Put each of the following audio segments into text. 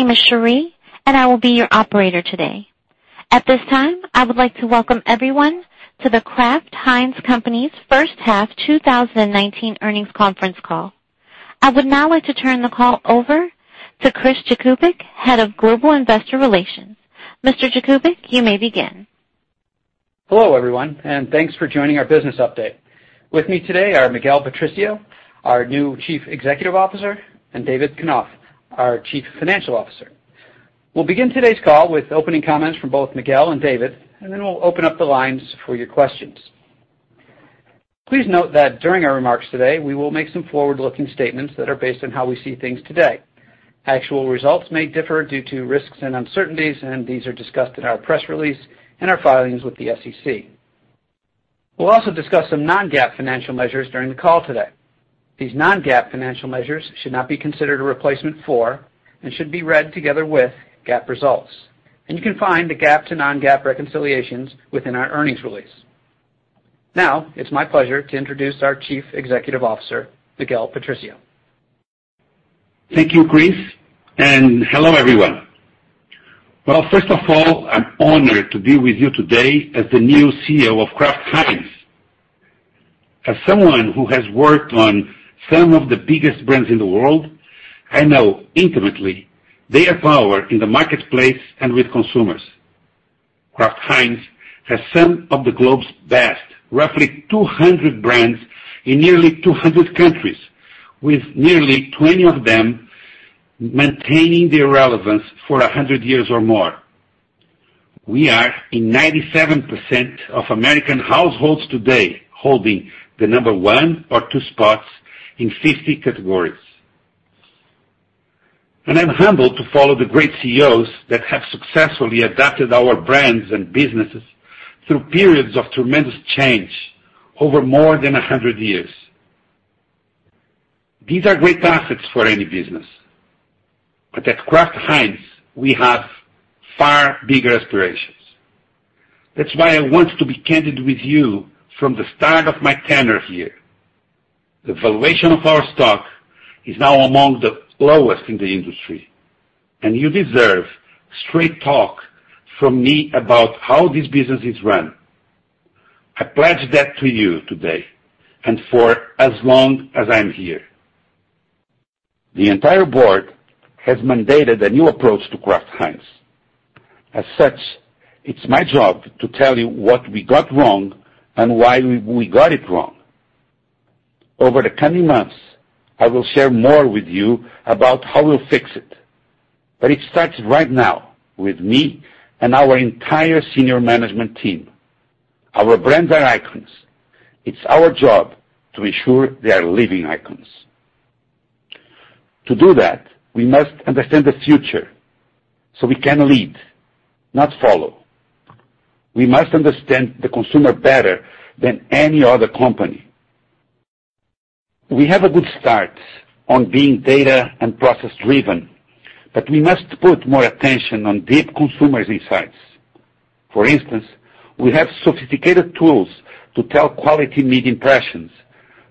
My name is Cherie, and I will be your operator today. At this time, I would like to welcome everyone to The Kraft Heinz Company's first half 2019 earnings conference call. I would now like to turn the call over to Christopher Jakubik, Head of Global Investor Relations. Mr. Jakubik, you may begin. Hello, everyone, and thanks for joining our business update. With me today are Miguel Patricio, our new Chief Executive Officer, and David Knopf, our Chief Financial Officer. We'll begin today's call with opening comments from both Miguel and David, and then we'll open up the lines for your questions. Please note that during our remarks today, we will make some forward-looking statements that are based on how we see things today. Actual results may differ due to risks and uncertainties. These are discussed in our press release and our filings with the SEC. We'll also discuss some non-GAAP financial measures during the call today. These non-GAAP financial measures should not be considered a replacement for and should be read together with GAAP results. You can find the GAAP to non-GAAP reconciliations within our earnings release. Now, it's my pleasure to introduce our Chief Executive Officer, Miguel Patricio. Thank you, Chris. Hello, everyone. Well, first of all, I'm honored to be with you today as the new CEO of Kraft Heinz. As someone who has worked on some of the biggest brands in the world, I know intimately their power in the marketplace and with consumers. Kraft Heinz has some of the globe's best, roughly 200 brands in nearly 200 countries, with nearly 20 of them maintaining their relevance for 100 years or more. We are in 97% of American households today holding the number one or two spots in 50 categories. I'm humbled to follow the great CEOs that have successfully adapted our brands and businesses through periods of tremendous change over more than 100 years. These are great assets for any business. At Kraft Heinz, we have far bigger aspirations. That's why I want to be candid with you from the start of my tenure here. The valuation of our stock is now among the lowest in the industry, and you deserve straight talk from me about how this business is run. I pledge that to you today and for as long as I'm here. The entire board has mandated a new approach to Kraft Heinz. As such, it's my job to tell you what we got wrong and why we got it wrong. Over the coming months, I will share more with you about how we'll fix it. It starts right now with me and our entire senior management team. Our brands are icons. It's our job to ensure they are living icons. To do that, we must understand the future so we can lead, not follow. We must understand the consumer better than any other company. We have a good start on being data and process-driven, but we must put more attention on deep consumer insights. For instance, we have sophisticated tools to tell quality media impressions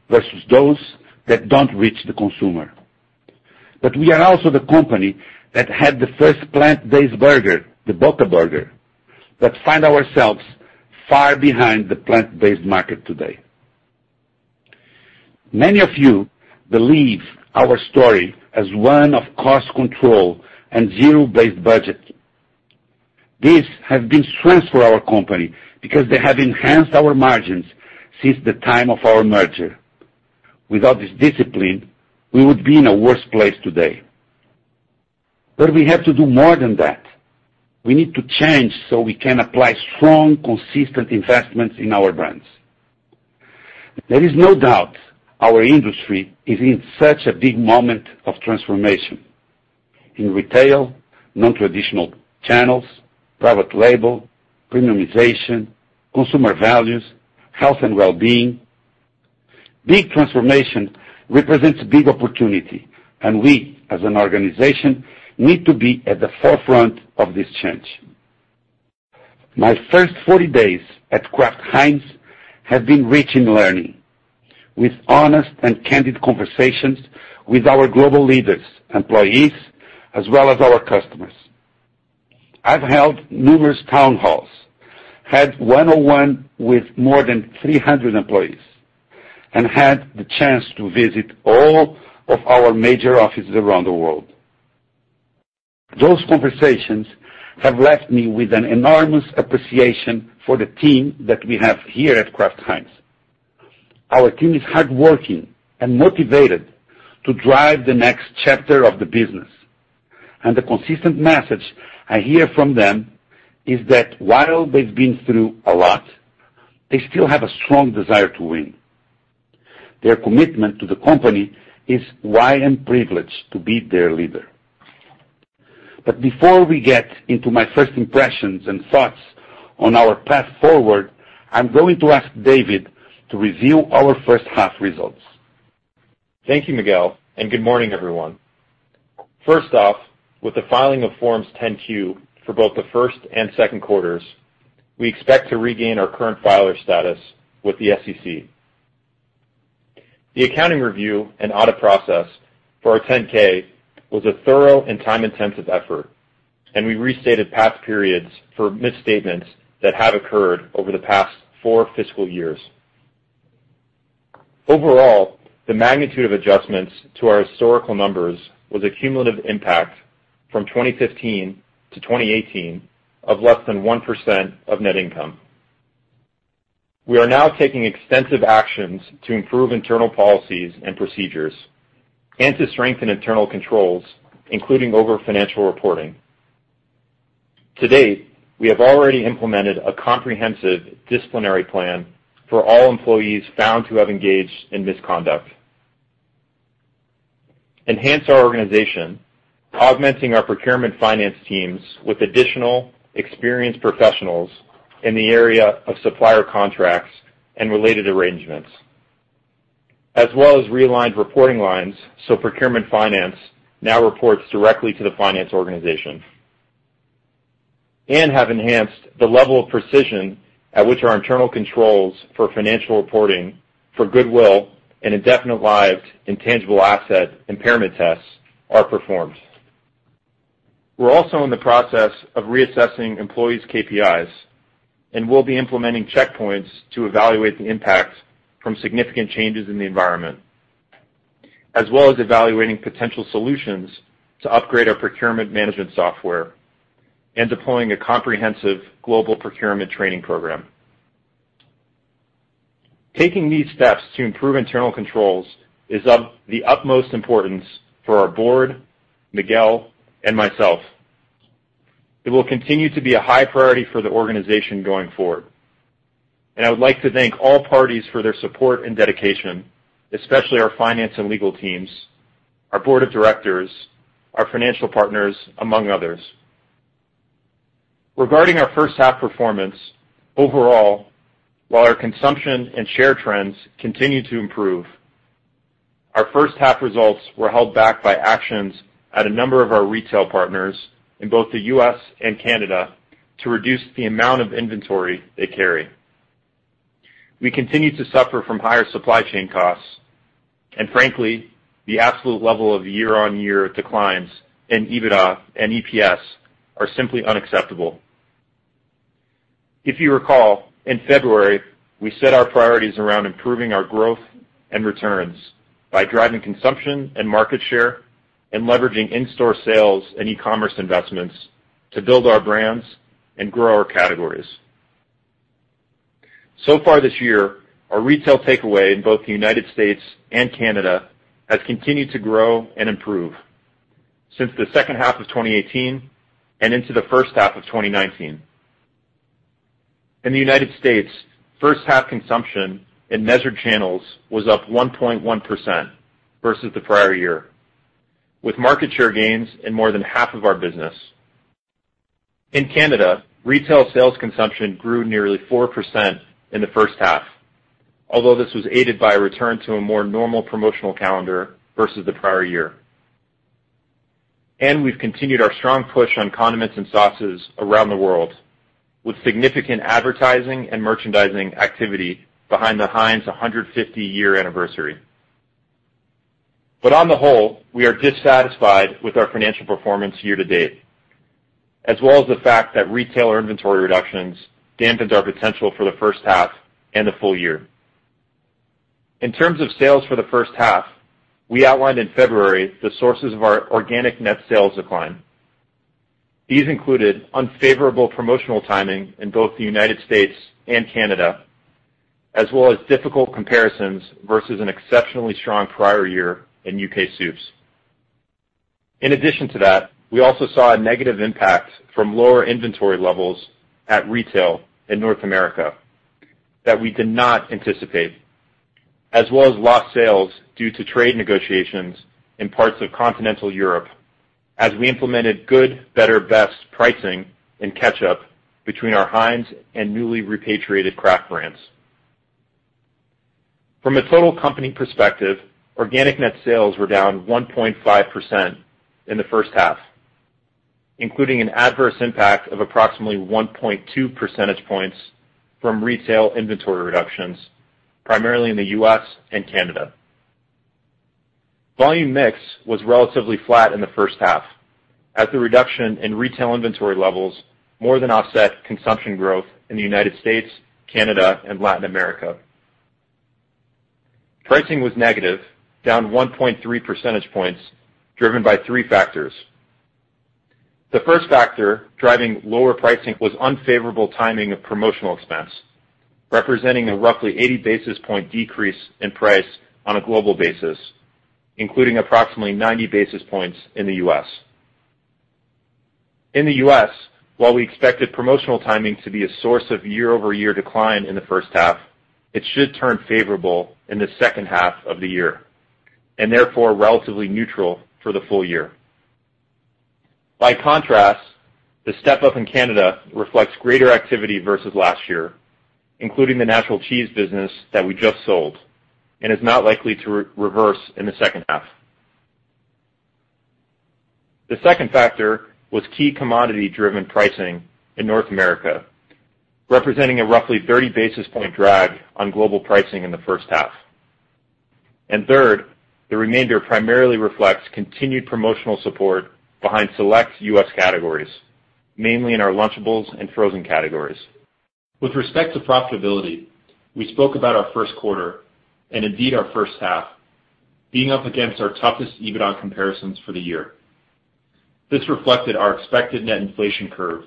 versus those that don't reach the consumer. We are also the company that had the first plant-based burger, the Boca Burger, but find ourselves far behind the plant-based market today. Many of you believe our story as one of cost control and zero-based budgeting. These have been strengths for our company because they have enhanced our margins since the time of our merger. Without this discipline, we would be in a worse place today. We have to do more than that. We need to change so we can apply strong, consistent investments in our brands. There is no doubt our industry is in such a big moment of transformation. In retail, non-traditional channels, private label, premiumization, consumer values, health and wellbeing. Big transformation represents big opportunity, and we, as an organization, need to be at the forefront of this change. My first 40 days at Kraft Heinz have been rich in learning. With honest and candid conversations with our global leaders, employees, as well as our customers. I've held numerous town halls, had one-on-one with more than 300 employees, and had the chance to visit all of our major offices around the world. Those conversations have left me with an enormous appreciation for the team that we have here at Kraft Heinz. Our team is hardworking and motivated to drive the next chapter of the business. The consistent message I hear from them is that while they've been through a lot, they still have a strong desire to win. Their commitment to the company is why I'm privileged to be their leader. Before we get into my first impressions and thoughts on our path forward, I'm going to ask David to review our first half results. Thank you, Miguel, and good morning, everyone. First off, with the filing of Forms 10-Q for both the first and second quarters, we expect to regain our current filer status with the SEC. The accounting review and audit process for our 10-K was a thorough and time-intensive effort, and we restated past periods for misstatements that have occurred over the past four fiscal years. Overall, the magnitude of adjustments to our historical numbers was a cumulative impact from 2015 to 2018 of less than 1% of net income. We are now taking extensive actions to improve internal policies and procedures and to strengthen internal controls, including over financial reporting. To date, we have already implemented a comprehensive disciplinary plan for all employees found to have engaged in misconduct, enhanced our organization, augmenting our procurement finance teams with additional experienced professionals in the area of supplier contracts and related arrangements, as well as realigned reporting lines so procurement finance now reports directly to the finance organization, and have enhanced the level of precision at which our internal controls for financial reporting for goodwill and indefinite lived intangible asset impairment tests are performed. We're also in the process of reassessing employees' KPIs, and we'll be implementing checkpoints to evaluate the impact from significant changes in the environment, as well as evaluating potential solutions to upgrade our procurement management software and deploying a comprehensive global procurement training program. Taking these steps to improve internal controls is of the utmost importance for our board, Miguel, and myself. It will continue to be a high priority for the organization going forward. I would like to thank all parties for their support and dedication, especially our finance and legal teams, our Board of Directors, our financial partners, among others. Regarding our first half performance, overall, while our consumption and share trends continue to improve, our first half results were held back by actions at a number of our retail partners in both the U.S. and Canada to reduce the amount of inventory they carry. We continue to suffer from higher supply chain costs, and frankly, the absolute level of year-on-year declines in EBITDA and EPS are simply unacceptable. If you recall, in February, we set our priorities around improving our growth and returns by driving consumption and market share and leveraging in-store sales and e-commerce investments to build our brands and grow our categories. Far this year, our retail takeaway in both the U.S. and Canada has continued to grow and improve since the second half of 2018 and into the first half of 2019. In the U.S., first half consumption in measured channels was up 1.1% versus the prior year, with market share gains in more than half of our business. In Canada, retail sales consumption grew nearly 4% in the first half, although this was aided by a return to a more normal promotional calendar versus the prior year. We've continued our strong push on condiments and sauces around the world, with significant advertising and merchandising activity behind the Heinz 150-year anniversary. On the whole, we are dissatisfied with our financial performance year-to-date, as well as the fact that retailer inventory reductions dampened our potential for the first half and the full year. In terms of sales for the first half, we outlined in February the sources of our organic net sales decline. These included unfavorable promotional timing in both the U.S. and Canada, as well as difficult comparisons versus an exceptionally strong prior year in U.K. soups. In addition to that, we also saw a negative impact from lower inventory levels at retail in North America that we did not anticipate, as well as lost sales due to trade negotiations in parts of continental Europe as we implemented good, better, best pricing in ketchup between our Heinz and newly repatriated Kraft brands. From a total company perspective, organic net sales were down 1.5% in the first half, including an adverse impact of approximately 1.2 percentage points from retail inventory reductions, primarily in the U.S. and Canada. Volume mix was relatively flat in the first half as the reduction in retail inventory levels more than offset consumption growth in the U.S., Canada, and Latin America. Pricing was negative, down 1.3 percentage points, driven by three factors. The first factor driving lower pricing was unfavorable timing of promotional expense, representing a roughly 80-basis-point decrease in price on a global basis, including approximately 90 basis points in the U.S. In the U.S., while we expected promotional timing to be a source of year-over-year decline in the first half, it should turn favorable in the second half of the year, and therefore relatively neutral for the full year. By contrast, the step-up in Canada reflects greater activity versus last year, including the natural cheese business that we just sold, and is not likely to reverse in the second half. The second factor was key commodity-driven pricing in North America, representing a roughly 30 basis point drag on global pricing in the first half. Third, the remainder primarily reflects continued promotional support behind select U.S. categories, mainly in our Lunchables and frozen categories. With respect to profitability, we spoke about our first quarter, and indeed our first half, being up against our toughest EBITDA comparisons for the year. This reflected our expected net inflation curve,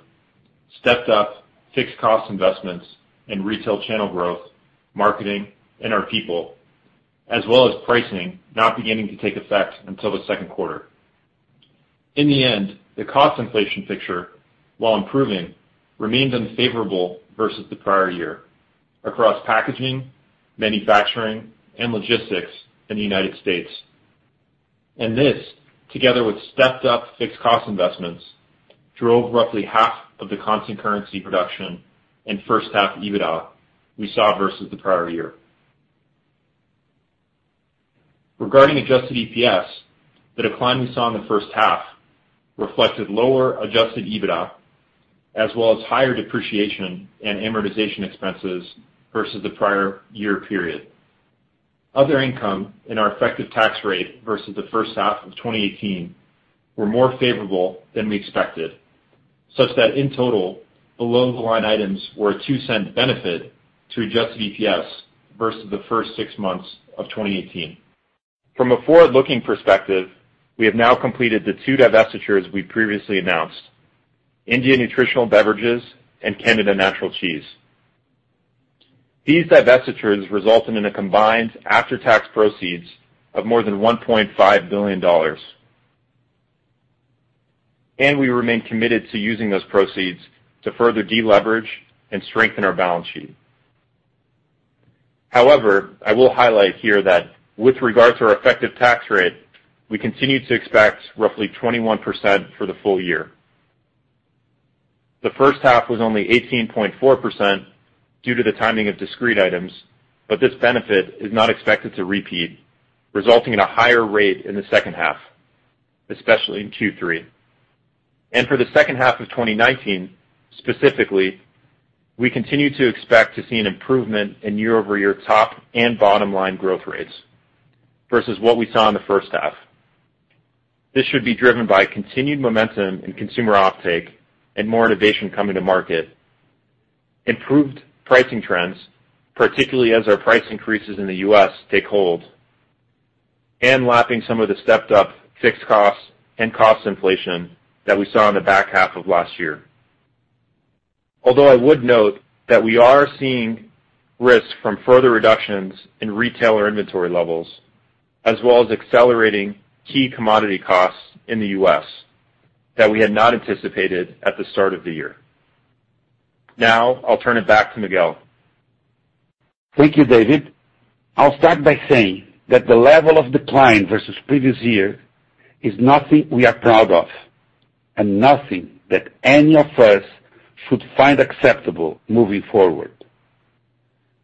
stepped up fixed cost investments in retail channel growth, marketing, and our people, as well as pricing not beginning to take effect until the second quarter. In the end, the cost inflation picture, while improving, remained unfavorable versus the prior year across packaging, manufacturing, and logistics in the U.S. This, together with stepped-up fixed cost investments, drove roughly half of the constant currency production and first-half EBITDA we saw versus the prior year. Regarding adjusted EPS, the decline we saw in the first half reflected lower adjusted EBITDA, as well as higher depreciation and amortization expenses versus the prior year period. Other income and our effective tax rate versus the first half of 2018 were more favorable than we expected, such that in total, below-the-line items were a $0.02 benefit to adjusted EPS versus the first six months of 2018. From a forward-looking perspective, we have now completed the two divestitures we previously announced, India Nutritional Beverages and Canada Natural Cheese. These divestitures resulted in a combined after-tax proceeds of more than $1.5 billion. We remain committed to using those proceeds to further de-leverage and strengthen our balance sheet. I will highlight here that with regard to our effective tax rate, we continue to expect roughly 21% for the full year. The first half was only 18.4% due to the timing of discrete items, but this benefit is not expected to repeat, resulting in a higher rate in the second half, especially in Q3. For the second half of 2019, specifically, we continue to expect to see an improvement in year-over-year top and bottom line growth rates versus what we saw in the first half. This should be driven by continued momentum in consumer offtake and more innovation coming to market, improved pricing trends, particularly as our price increases in the U.S. take hold, and lapping some of the stepped up fixed costs and cost inflation that we saw in the back half of last year. I would note that we are seeing risks from further reductions in retailer inventory levels, as well as accelerating key commodity costs in the U.S. that we had not anticipated at the start of the year. I'll turn it back to Miguel. Thank you, David. I'll start by saying that the level of decline versus previous year is nothing we are proud of and nothing that any of us should find acceptable moving forward.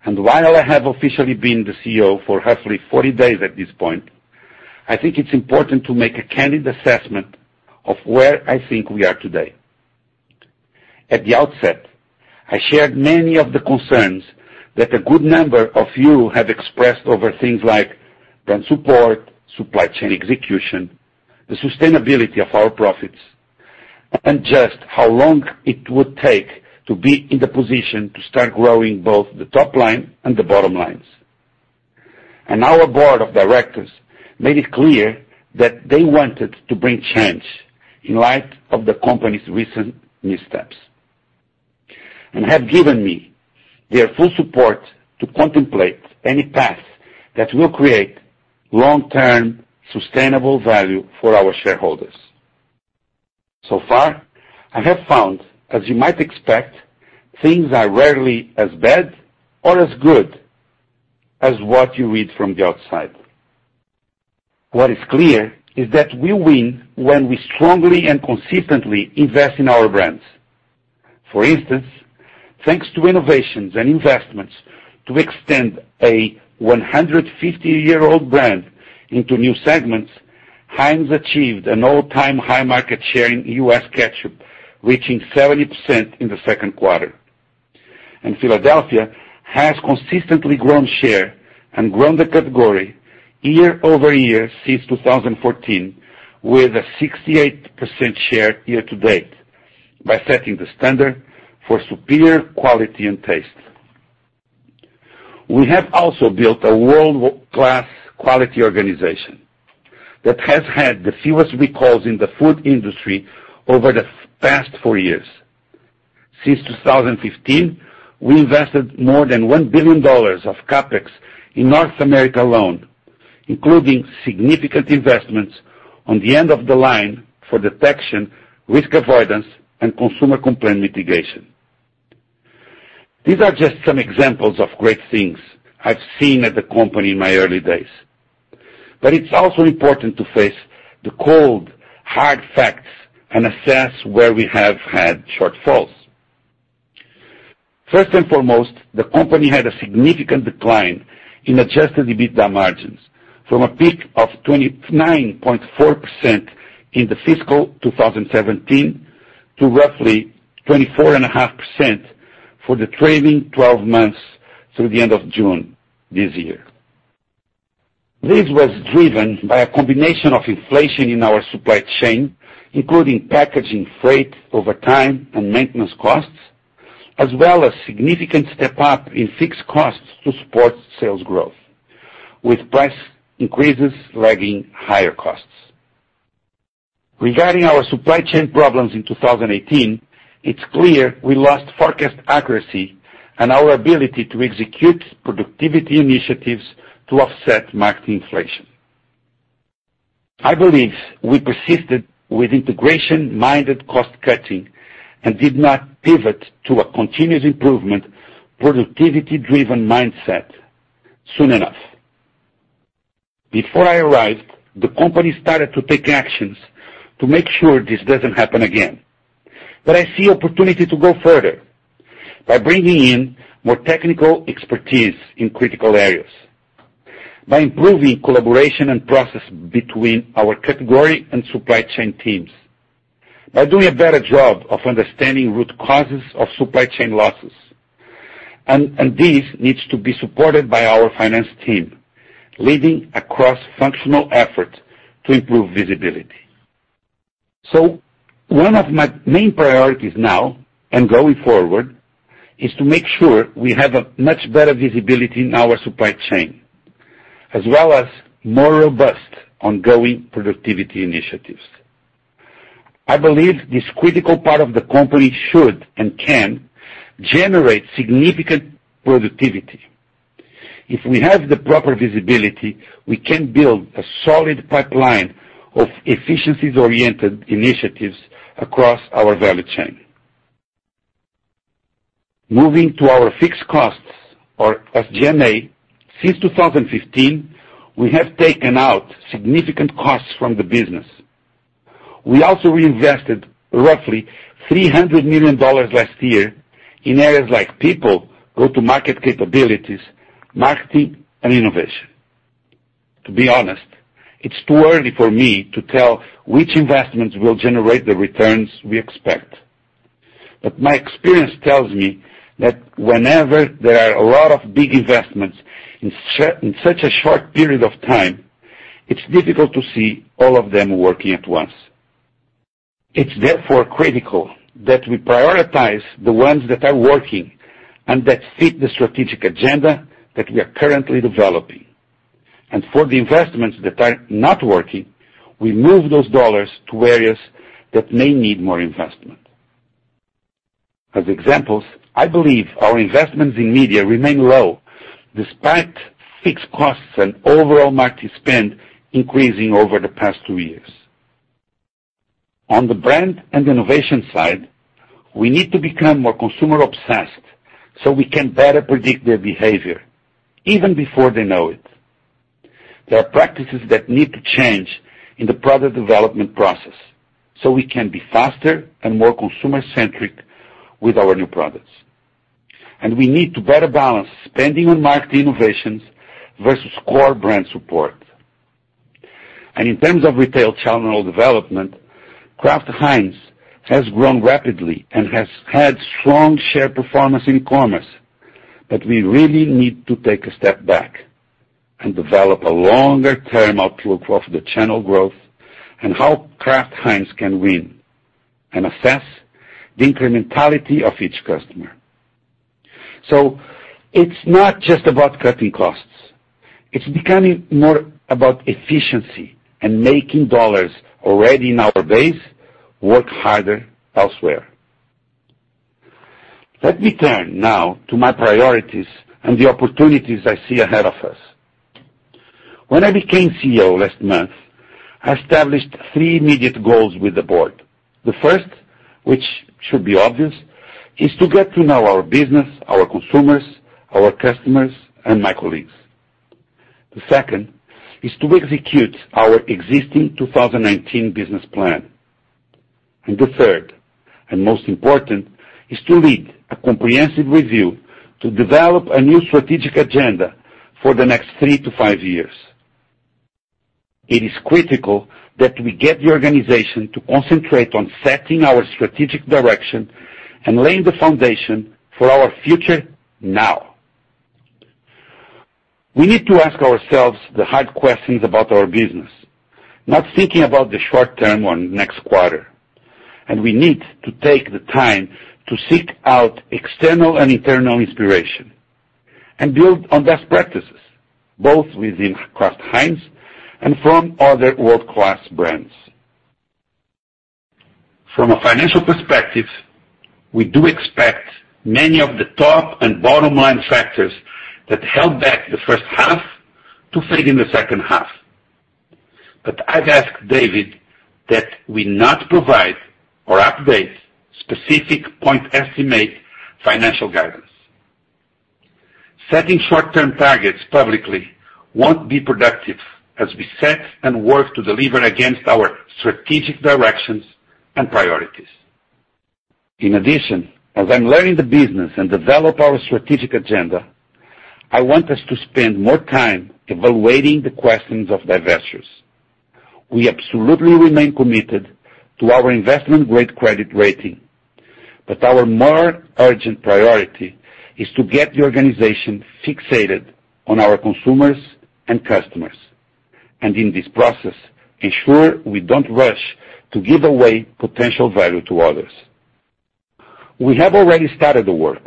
While I have officially been the CEO for roughly 40 days at this point, I think it's important to make a candid assessment of where I think we are today. At the outset, I shared many of the concerns that a good number of you have expressed over things like brand support, supply chain execution, the sustainability of our profits, and just how long it would take to be in the position to start growing both the top line and the bottom lines. Our Board of Directors made it clear that they wanted to bring change in light of the company's recent missteps and have given me their full support to contemplate any path that will create long-term sustainable value for our shareholders. Far, I have found, as you might expect, things are rarely as bad or as good as what you read from the outside. What is clear is that we win when we strongly and consistently invest in our brands. For instance, thanks to innovations and investments to extend a 150-year-old brand into new segments, Heinz achieved an all-time high market share in U.S. ketchup, reaching 70% in the second quarter. Philadelphia has consistently grown share and grown the category year-over-year since 2014 with a 68% share year to date by setting the standard for superior quality and taste. We have also built a world-class quality organization that has had the fewest recalls in the food industry over the past four years. Since 2015, we invested more than $1 billion of CapEx in North America alone, including significant investments on the end of the line for detection, risk avoidance, and consumer complaint mitigation. These are just some examples of great things I've seen at the company in my early days. It's also important to face the cold, hard facts and assess where we have had shortfalls. First and foremost, the company had a significant decline in adjusted EBITDA margins from a peak of 29.4% in the fiscal 2017 to roughly 24.5% for the trailing 12 months through the end of June this year. This was driven by a combination of inflation in our supply chain, including packaging, freight, overtime, and maintenance costs, as well as significant step-up in fixed costs to support sales growth with price increases lagging higher costs. Regarding our supply chain problems in 2018, it's clear we lost forecast accuracy and our ability to execute productivity initiatives to offset market inflation. I believe we persisted with integration-minded cost-cutting and did not pivot to a continuous improvement, productivity-driven mindset soon enough. Before I arrived, the company started to take actions to make sure this doesn't happen again. I see opportunity to go further by bringing in more technical expertise in critical areas, by improving collaboration and process between our category and supply chain teams, by doing a better job of understanding root causes of supply chain losses. This needs to be supported by our finance team, leading a cross-functional effort to improve visibility. One of my main priorities now, and going forward, is to make sure we have a much better visibility in our supply chain, as well as more robust ongoing productivity initiatives. I believe this critical part of the company should and can generate significant productivity. If we have the proper visibility, we can build a solid pipeline of efficiencies-oriented initiatives across our value chain. Moving to our fixed costs or SGA, since 2015, we have taken out significant costs from the business. We also reinvested roughly $300 million last year in areas like people, go-to-market capabilities, marketing, and innovation. To be honest, it's too early for me to tell which investments will generate the returns we expect. My experience tells me that whenever there are a lot of big investments in such a short period of time, it's difficult to see all of them working at once. It's therefore critical that we prioritize the ones that are working and that fit the strategic agenda that we are currently developing. For the investments that are not working, we move those dollars to areas that may need more investment. As examples, I believe our investments in media remain low despite fixed costs and overall market spend increasing over the past two years. On the brand and innovation side, we need to become more consumer-obsessed so we can better predict their behavior even before they know it. There are practices that need to change in the product development process so we can be faster and more consumer-centric with our new products. We need to better balance spending on market innovations versus core brand support. In terms of retail channel development, Kraft Heinz has grown rapidly and has had strong share performance in commerce, but we really need to take a step back and develop a longer-term outlook of the channel growth and how Kraft Heinz can win and assess the incrementality of each customer. It's not just about cutting costs. It's becoming more about efficiency and making dollars already in our base work harder elsewhere. Let me turn now to my priorities and the opportunities I see ahead of us. When I became CEO last month, I established three immediate goals with the board. The first, which should be obvious, is to get to know our business, our consumers, our customers, and my colleagues. The second is to execute our existing 2019 business plan. The third, and most important, is to lead a comprehensive review to develop a new strategic agenda for the next three to five years. It is critical that we get the organization to concentrate on setting our strategic direction and laying the foundation for our future now. We need to ask ourselves the hard questions about our business, not thinking about the short term or next quarter. We need to take the time to seek out external and internal inspiration and build on best practices, both within Kraft Heinz and from other world-class brands. From a financial perspective, we do expect many of the top and bottom line factors that held back the first half to fade in the second half. I've asked David that we not provide or update specific point estimate financial guidance. Setting short-term targets publicly won't be productive as we set and work to deliver against our strategic directions and priorities. In addition, as I'm learning the business and develop our strategic agenda, I want us to spend more time evaluating the questions of divestitures. We absolutely remain committed to our investment-grade credit rating, but our more urgent priority is to get the organization fixated on our consumers and customers. In this process, ensure we don't rush to give away potential value to others. We have already started the work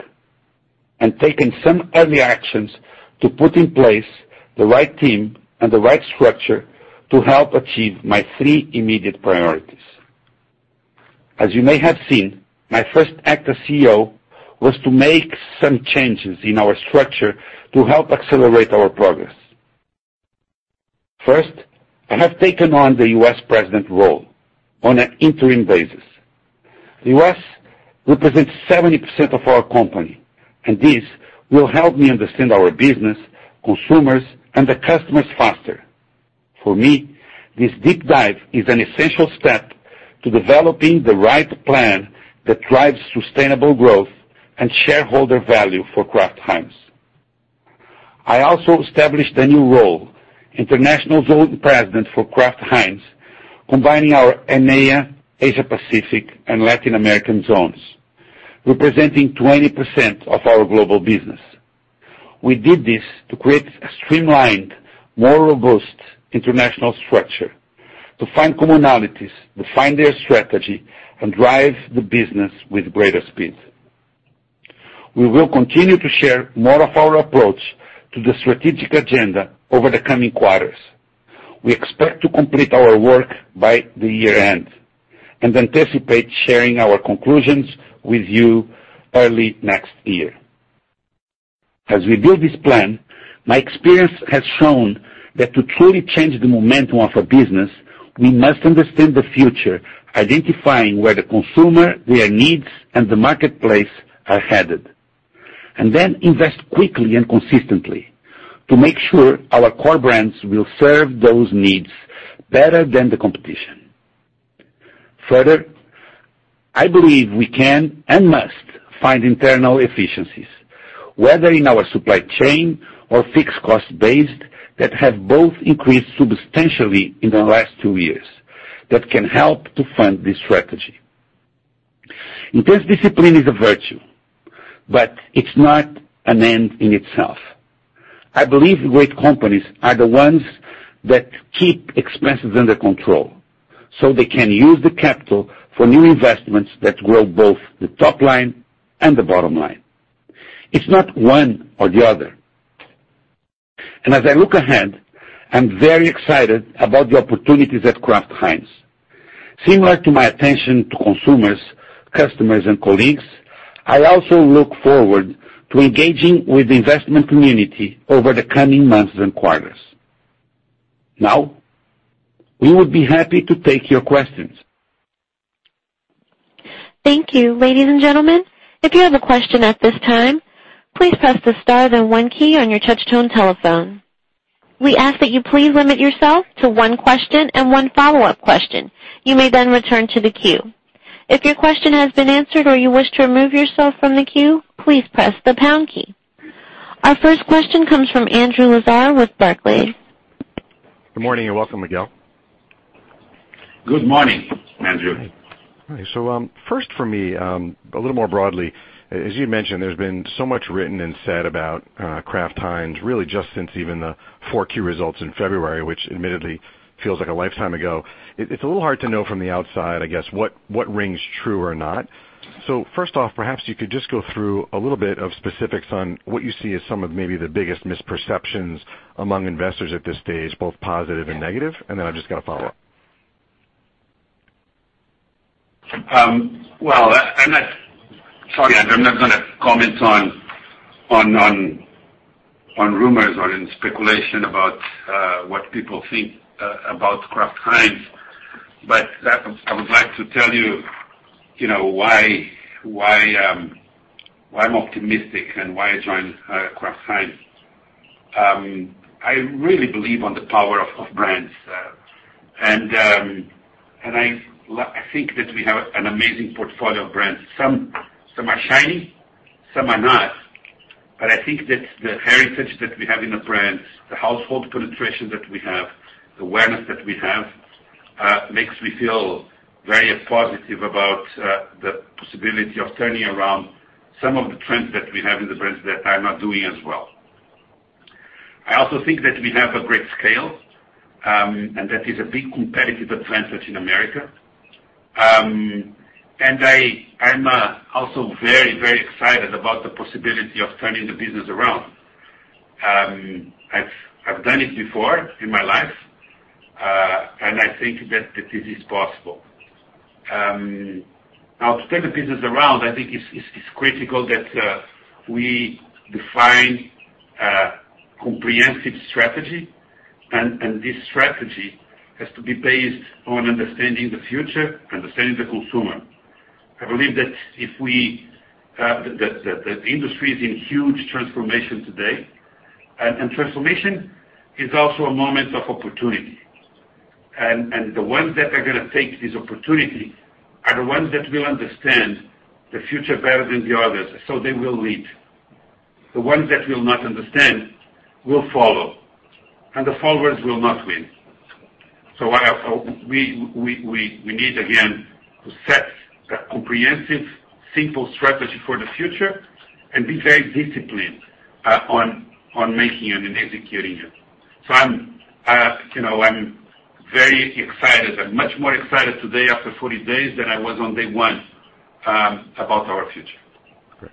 and taken some early actions to put in place the right team and the right structure to help achieve my three immediate priorities. As you may have seen, my first act as CEO was to make some changes in our structure to help accelerate our progress. First, I have taken on the U.S. president role on an interim basis. The U.S. represents 70% of our company. This will help me understand our business, consumers, and the customers faster. For me, this deep dive is an essential step to developing the right plan that drives sustainable growth and shareholder value for Kraft Heinz. I also established a new role, international zone president for Kraft Heinz, combining our EMEA, Asia Pacific, and Latin American zones, representing 20% of our global business. We did this to create a streamlined, more robust international structure to find commonalities, define their strategy, and drive the business with greater speed. We will continue to share more of our approach to the strategic agenda over the coming quarters. We expect to complete our work by the year-end and anticipate sharing our conclusions with you early next year. As we build this plan, my experience has shown that to truly change the momentum of a business, we must understand the future, identifying where the consumer, their needs, and the marketplace are headed. Then invest quickly and consistently to make sure our core brands will serve those needs better than the competition. Further, I believe we can and must find internal efficiencies, whether in our supply chain or fixed cost base, that have both increased substantially in the last two years that can help to fund this strategy. Intense discipline is a virtue, but it's not an end in itself. I believe great companies are the ones that keep expenses under control, so they can use the capital for new investments that grow both the top line and the bottom line. It's not one or the other. As I look ahead, I'm very excited about the opportunities at Kraft Heinz. Similar to my attention to consumers, customers, and colleagues, I also look forward to engaging with the investment community over the coming months and quarters. We would be happy to take your questions. Thank you. Ladies and gentlemen, if you have a question at this time, please press the star then one key on your touch-tone telephone. We ask that you please limit yourself to one question and one follow-up question. You may return to the queue. If your question has been answered or you wish to remove yourself from the queue, please press the pound key. Our first question comes from Andrew Lazar with Barclays. Good morning, and welcome, Miguel. Good morning, Andrew. First for me, a little more broadly, as you mentioned, there's been so much written and said about Kraft Heinz, really just since even the four key results in February, which admittedly feels like a lifetime ago. It's a little hard to know from the outside, I guess, what rings true or not. First off, perhaps you could just go through a little bit of specifics on what you see as some of maybe the biggest misperceptions among investors at this stage, both positive and negative, and then I've just got a follow-up. Sorry, I'm not going to comment on rumors or any speculation about what people think about Kraft Heinz. I would like to tell you why I'm optimistic and why I joined Kraft Heinz. I really believe on the power of brands. I think that we have an amazing portfolio of brands. Some are shining, some are not. I think that the heritage that we have in the brands, the household penetration that we have, the awareness that we have makes me feel very positive about the possibility of turning around some of the trends that we have in the brands that are not doing as well. I also think that we have a great scale, and that is a big competitive advantage in America. I'm also very excited about the possibility of turning the business around. I've done it before in my life, and I think that this is possible. Now, to turn the business around, I think it's critical that we define comprehensive strategy, and this strategy has to be based on understanding the future, understanding the consumer. Transformation is also a moment of opportunity. The ones that are going to take this opportunity are the ones that will understand the future better than the others, so they will lead. The ones that will not understand will follow, and the followers will not win. We need, again, to set a comprehensive, simple strategy for the future and be very disciplined on making it and executing it. I'm very excited. I'm much more excited today after 40 days than I was on day one about our future. Great.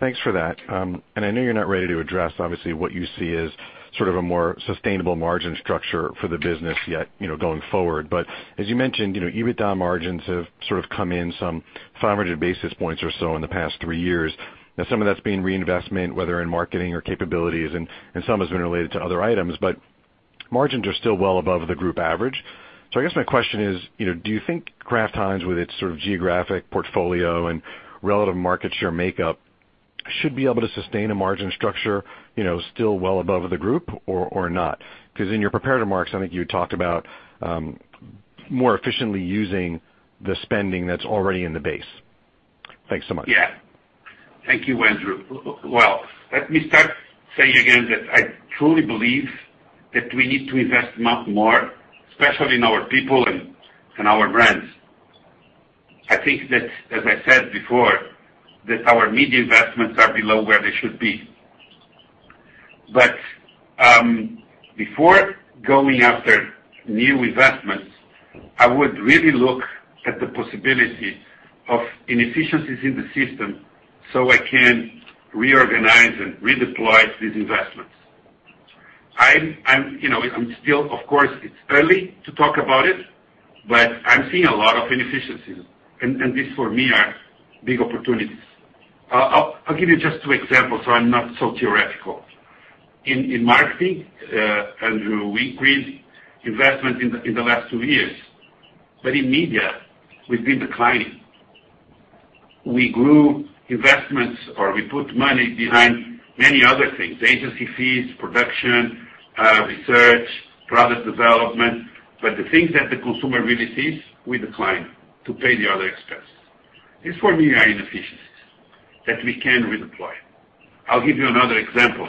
Thanks for that. I know you're not ready to address, obviously, what you see as sort of a more sustainable margin structure for the business yet, going forward. As you mentioned, EBITDA margins have sort of come in some 500 basis points or so in the past three years. Some of that's been reinvestment, whether in marketing or capabilities, and some has been related to other items, but margins are still well above the group average. I guess my question is, do you think Kraft Heinz, with its sort of geographic portfolio and relative market share makeup, should be able to sustain a margin structure still well above the group or not? In your prepared remarks, I think you talked about more efficiently using the spending that's already in the base. Thanks so much. Thank you, Andrew. Well, let me start saying again that I truly believe that we need to invest much more, especially in our people and in our brands. I think that, as I said before, that our media investments are below where they should be. Before going after new investments, I would really look at the possibility of inefficiencies in the system so I can reorganize and redeploy these investments. Of course, it's early to talk about it, but I'm seeing a lot of inefficiencies. These, for me, are big opportunities. I'll give you just two examples so I'm not so theoretical. In marketing, Andrew, we increased investment in the last two years. In media, we've been declining. We grew investments or we put money behind many other things, agency fees, production, research, product development. The things that the consumer really sees, we decline to pay the other expense. These, for me, are inefficiencies that we can redeploy. I'll give you another example.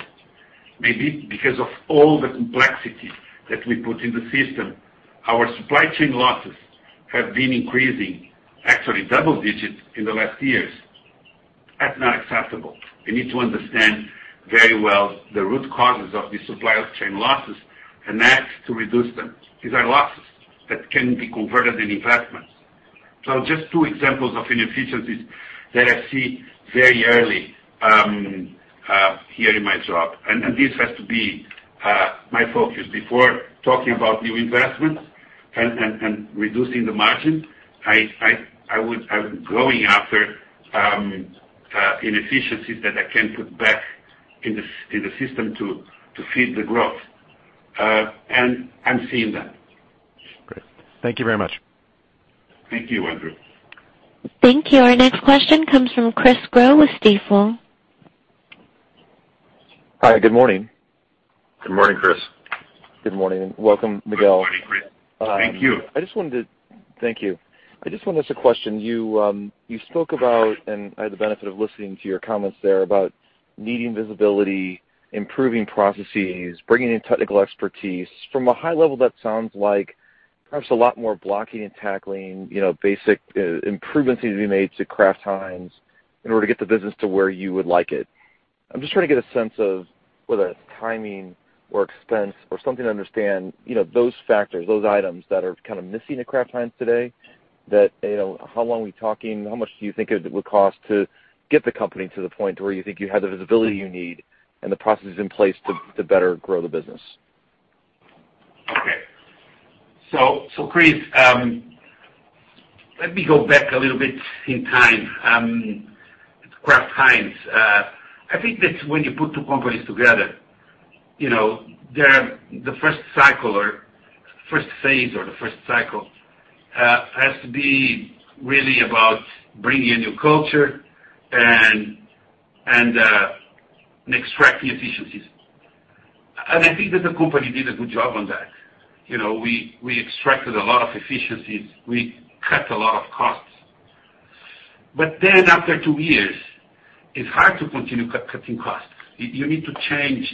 Maybe because of all the complexity that we put in the system, our supply chain losses have been increasing, actually double digits in the last years. That's not acceptable. We need to understand very well the root causes of the supply chain losses and act to reduce them. These are losses that can be converted in investments. Just two examples of inefficiencies that I see very early here in my job. This has to be my focus. Before talking about new investments and reducing the margin, going after inefficiencies that I can put back in the system to feed the growth. I'm seeing that. Great. Thank you very much. Thank you, Andrew. Thank you. Our next question comes from Chris Growe with Stifel. Hi. Good morning. Good morning, Chris. Good morning, and welcome, Miguel. Good morning, Chris. Thank you. Thank you. I just wanted to ask a question. You spoke about, and I had the benefit of listening to your comments there about needing visibility, improving processes, bringing in technical expertise. From a high level, that sounds like perhaps a lot more blocking and tackling, basic improvements need to be made to Kraft Heinz in order to get the business to where you would like it. I'm just trying to get a sense of whether it's timing or expense or something to understand those factors, those items that are kind of missing at Kraft Heinz today that, how long are we talking? How much do you think it would cost to get the company to the point where you think you have the visibility you need and the processes in place to better grow the business? Okay. Chris, let me go back a little bit in time. Kraft Heinz, I think that when you put two companies together, the first phase or the first cycle has to be really about bringing a new culture and extracting efficiencies. I think that the company did a good job on that. We extracted a lot of efficiencies. We cut a lot of costs. After two years, it's hard to continue cutting costs. You need to change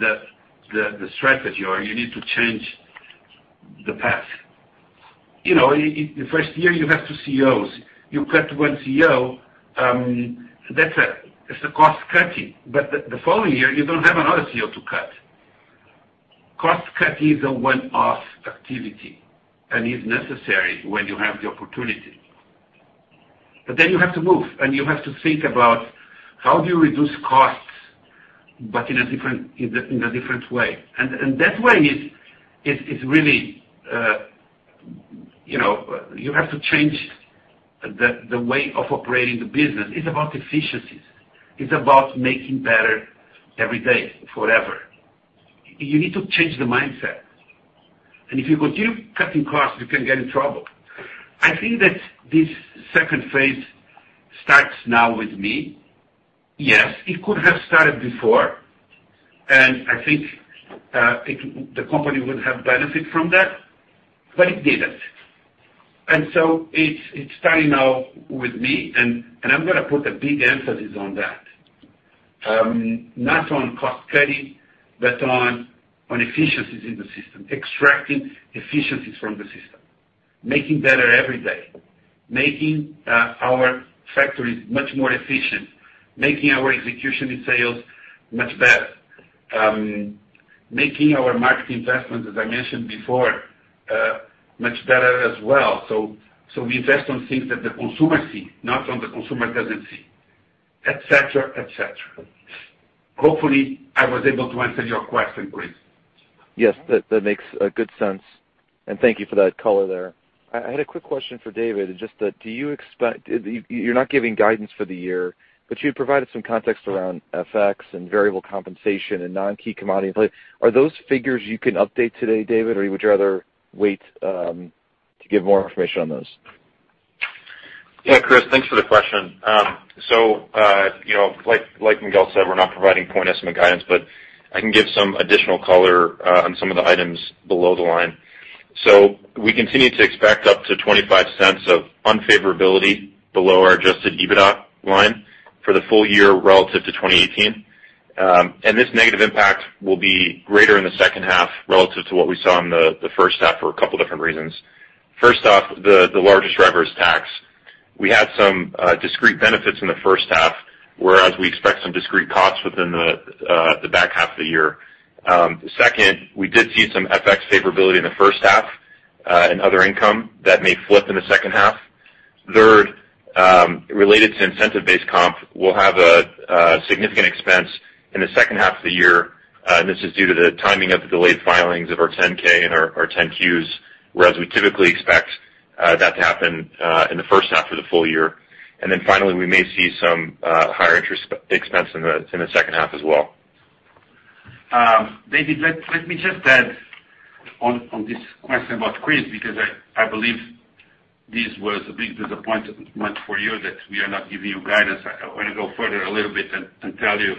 the strategy, or you need to change the path. The first year you have two CEOs. You cut one CEO, that's a cost cutting. The following year, you don't have another CEO to cut. Cost cutting is a one-off activity and is necessary when you have the opportunity. You have to move, and you have to think about how do you reduce costs but in a different way. That way is really, you have to change the way of operating the business. It's about efficiencies. It's about making better every day forever. You need to change the mindset. If you continue cutting costs, you can get in trouble. I think that this second phase starts now with me. Yes, it could have started before, and I think the company would have benefited from that, but it didn't. It's starting now with me, and I'm going to put a big emphasis on that. Not on cost-cutting, but on efficiencies in the system, extracting efficiencies from the system. Making better every day, making our factories much more efficient, making our execution in sales much better. Making our marketing investments, as I mentioned before, much better as well. We invest on things that the consumer see, not on the consumer doesn't see, et cetera. Hopefully, I was able to answer your question, Chris. Yes. That makes good sense. Thank you for that color there. I had a quick question for David, just that, you're not giving guidance for the year, but you had provided some context around FX and variable compensation and non-key commodity. Are those figures you can update today, David, or would you rather wait to give more information on those? Yeah, Chris, thanks for the question. Like Miguel said, we're not providing point estimate guidance, but I can give some additional color on some of the items below the line. We continue to expect up to $0.25 of unfavorability below our adjusted EBITDA line for the full year relative to 2018. This negative impact will be greater in the second half relative to what we saw in the first half for a couple different reasons. First off, the largest driver is tax. We had some discrete benefits in the first half, whereas we expect some discrete costs within the back half of the year. Second, we did see some FX favorability in the first half and other income that may flip in the second half. Third, related to incentive-based comp, we'll have a significant expense in the second half of the year. This is due to the timing of the delayed filings of our 10-K and our 10-Qs, whereas we typically expect that to happen in the first half of the full year. Finally, we may see some higher interest expense in the second half as well. David, let me just add on this question about Chris, because I believe this was a big disappointment for you that we are not giving you guidance. I want to go further a little bit and tell you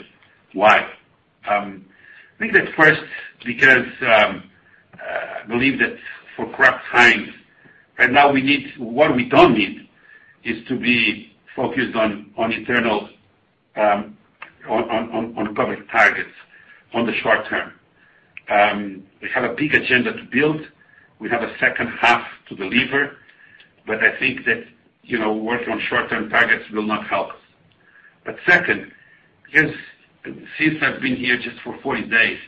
why. I think that first, because I believe that for Kraft Heinz right now, what we don't need is to be focused on public targets on the short term. We have a big agenda to build. We have a second half to deliver. I think that working on short-term targets will not help us. Second, since I've been here just for 40 days,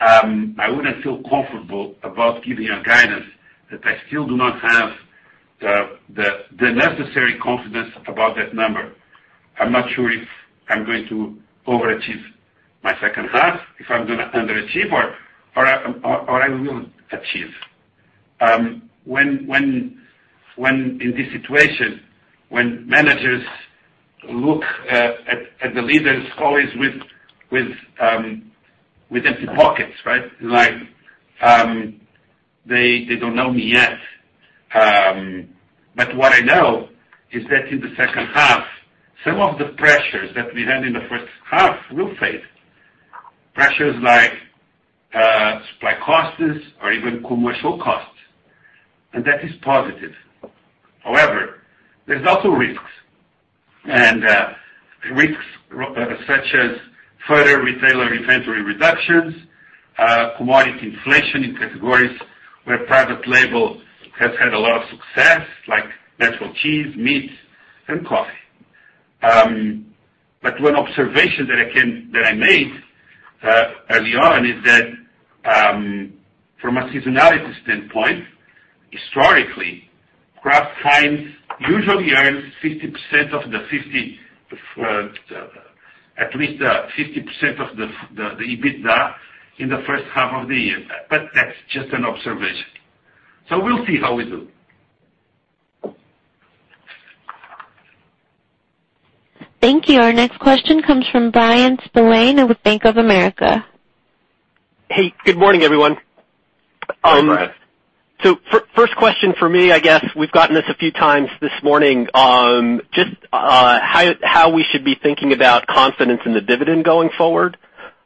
I wouldn't feel comfortable about giving a guidance that I still do not have the necessary confidence about that number. I'm not sure if I'm going to overachieve my second half, if I'm going to underachieve or I will achieve. When in this situation, when managers look at the leaders always with empty pockets, right? They don't know me yet. What I know is that in the second half, some of the pressures that we had in the first half will fade. Pressures like supply costs or even commercial costs, and that is positive. However, there's also risks. Risks such as further retailer inventory reductions, commodity inflation in categories where private label has had a lot of success, like natural cheese, meat, and coffee. One observation that I made early on is that, from a seasonality standpoint, historically, Kraft Heinz usually earns at least the 50% of the EBITDA in the first half of the year. That's just an observation. We'll see how we do. Thank you. Our next question comes from Bryan Spillane with Bank of America. Hey, good morning, everyone. Hey, Bryan. First question for me, I guess we've gotten this a few times this morning. Just how we should be thinking about confidence in the dividend going forward,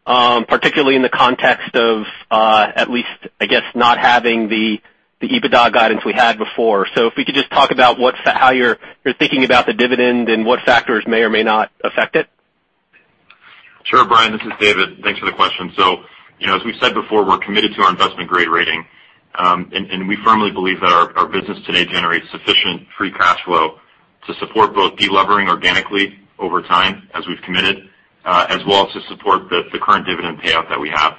particularly in the context of at least, I guess, not having the EBITDA guidance we had before. If we could just talk about how you're thinking about the dividend and what factors may or may not affect it? Sure, Bryan. This is David. Thanks for the question. As we said before, we're committed to our investment-grade rating. We firmly believe that our business today generates sufficient free cash flow to support both de-levering organically over time as we've committed, as well as to support the current dividend payout that we have.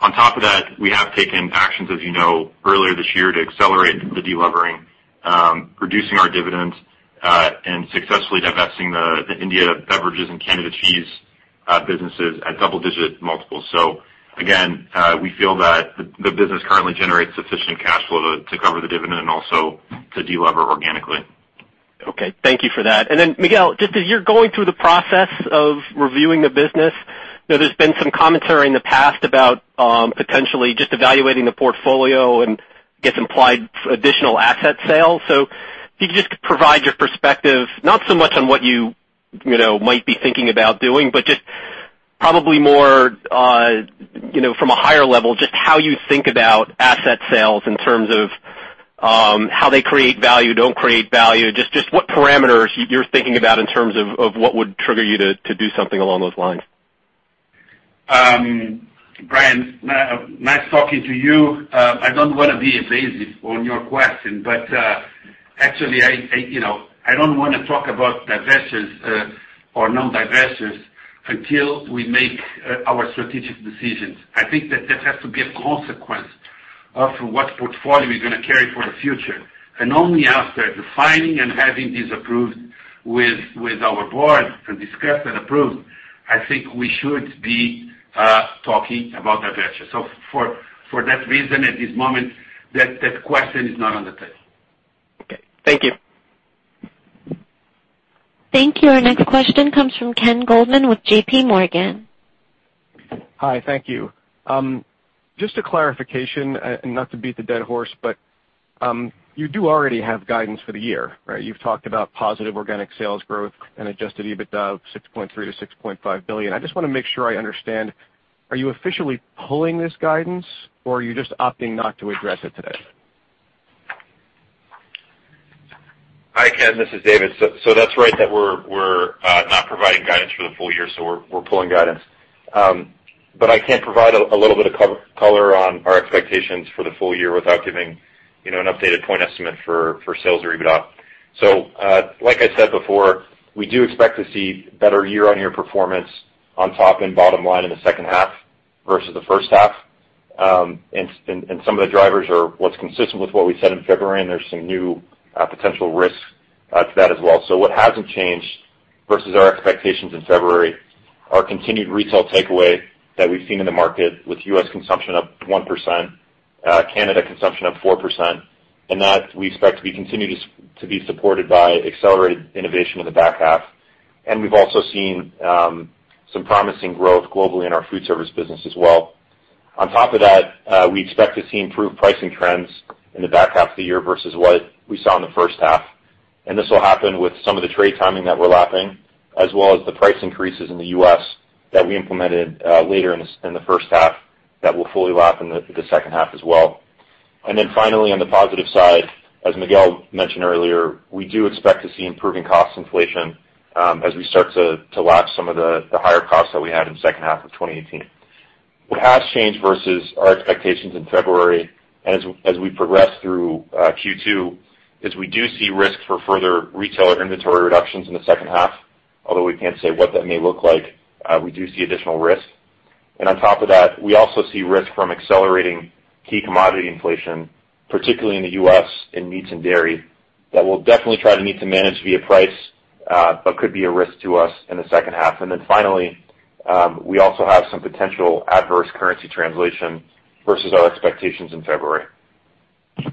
On top of that, we have taken actions, as you know, earlier this year to accelerate the de-levering, reducing our dividends, and successfully divesting the India beverages and Canada cheese businesses at double-digit multiples. Again, we feel that the business currently generates sufficient cash flow to cover the dividend and also to delever organically. Okay. Thank you for that. Miguel, just as you're going through the process of reviewing the business, there's been some commentary in the past about potentially just evaluating the portfolio and I guess implied additional asset sales. If you could just provide your perspective, not so much on what you might be thinking about doing, but just probably more from a higher level, just how you think about asset sales in terms of how they create value, don't create value. Just what parameters you're thinking about in terms of what would trigger you to do something along those lines. Bryan, nice talking to you. I don't want to be evasive on your question, actually, I don't want to talk about divestitures or non-divestitures until we make our strategic decisions. I think that has to be a consequence of what portfolio we're going to carry for the future. Only after defining and having this approved with our Board, to discuss and approve, I think we should be talking about divestiture. For that reason, at this moment, that question is not on the table. Okay. Thank you. Thank you. Our next question comes from Ken Goldman with J.P. Morgan. Hi, thank you. Just a clarification, and not to beat the dead horse, but you do already have guidance for the year, right? You've talked about positive organic sales growth and adjusted EBITDA of $6.3 billion-$6.5 billion. I just want to make sure I understand, are you officially pulling this guidance, or are you just opting not to address it today? Hi, Ken, this is David. That's right that we're not providing guidance for the full year, so we're pulling guidance. I can provide a little bit of color on our expectations for the full year without giving an updated point estimate for sales or EBITDA. Like I said before, we do expect to see better year-on-year performance on top and bottom line in the second half versus the first half. Some of the drivers are what's consistent with what we said in February, and there's some new potential risks to that as well. What hasn't changed versus our expectations in February are continued retail takeaway that we've seen in the market with U.S. consumption up 1%, Canada consumption up 4%, and that we expect to be continued to be supported by accelerated innovation in the back half. We've also seen some promising growth globally in our food service business as well. On top of that, we expect to see improved pricing trends in the back half of the year versus what we saw in the first half. This will happen with some of the trade timing that we're lapping, as well as the price increases in the U.S. that we implemented later in the first half that will fully lap in the second half as well. Finally, on the positive side, as Miguel mentioned earlier, we do expect to see improving cost inflation as we start to lap some of the higher costs that we had in second half of 2018. What has changed versus our expectations in February as we progress through Q2 is we do see risks for further retailer inventory reductions in the second half. Although we can't say what that may look like, we do see additional risk. On top of that, we also see risk from accelerating key commodity inflation, particularly in the U.S. in meats and dairy, that we'll definitely try to need to manage via price, but could be a risk to us in the second half. Then finally, we also have some potential adverse currency translation versus our expectations in February. Okay.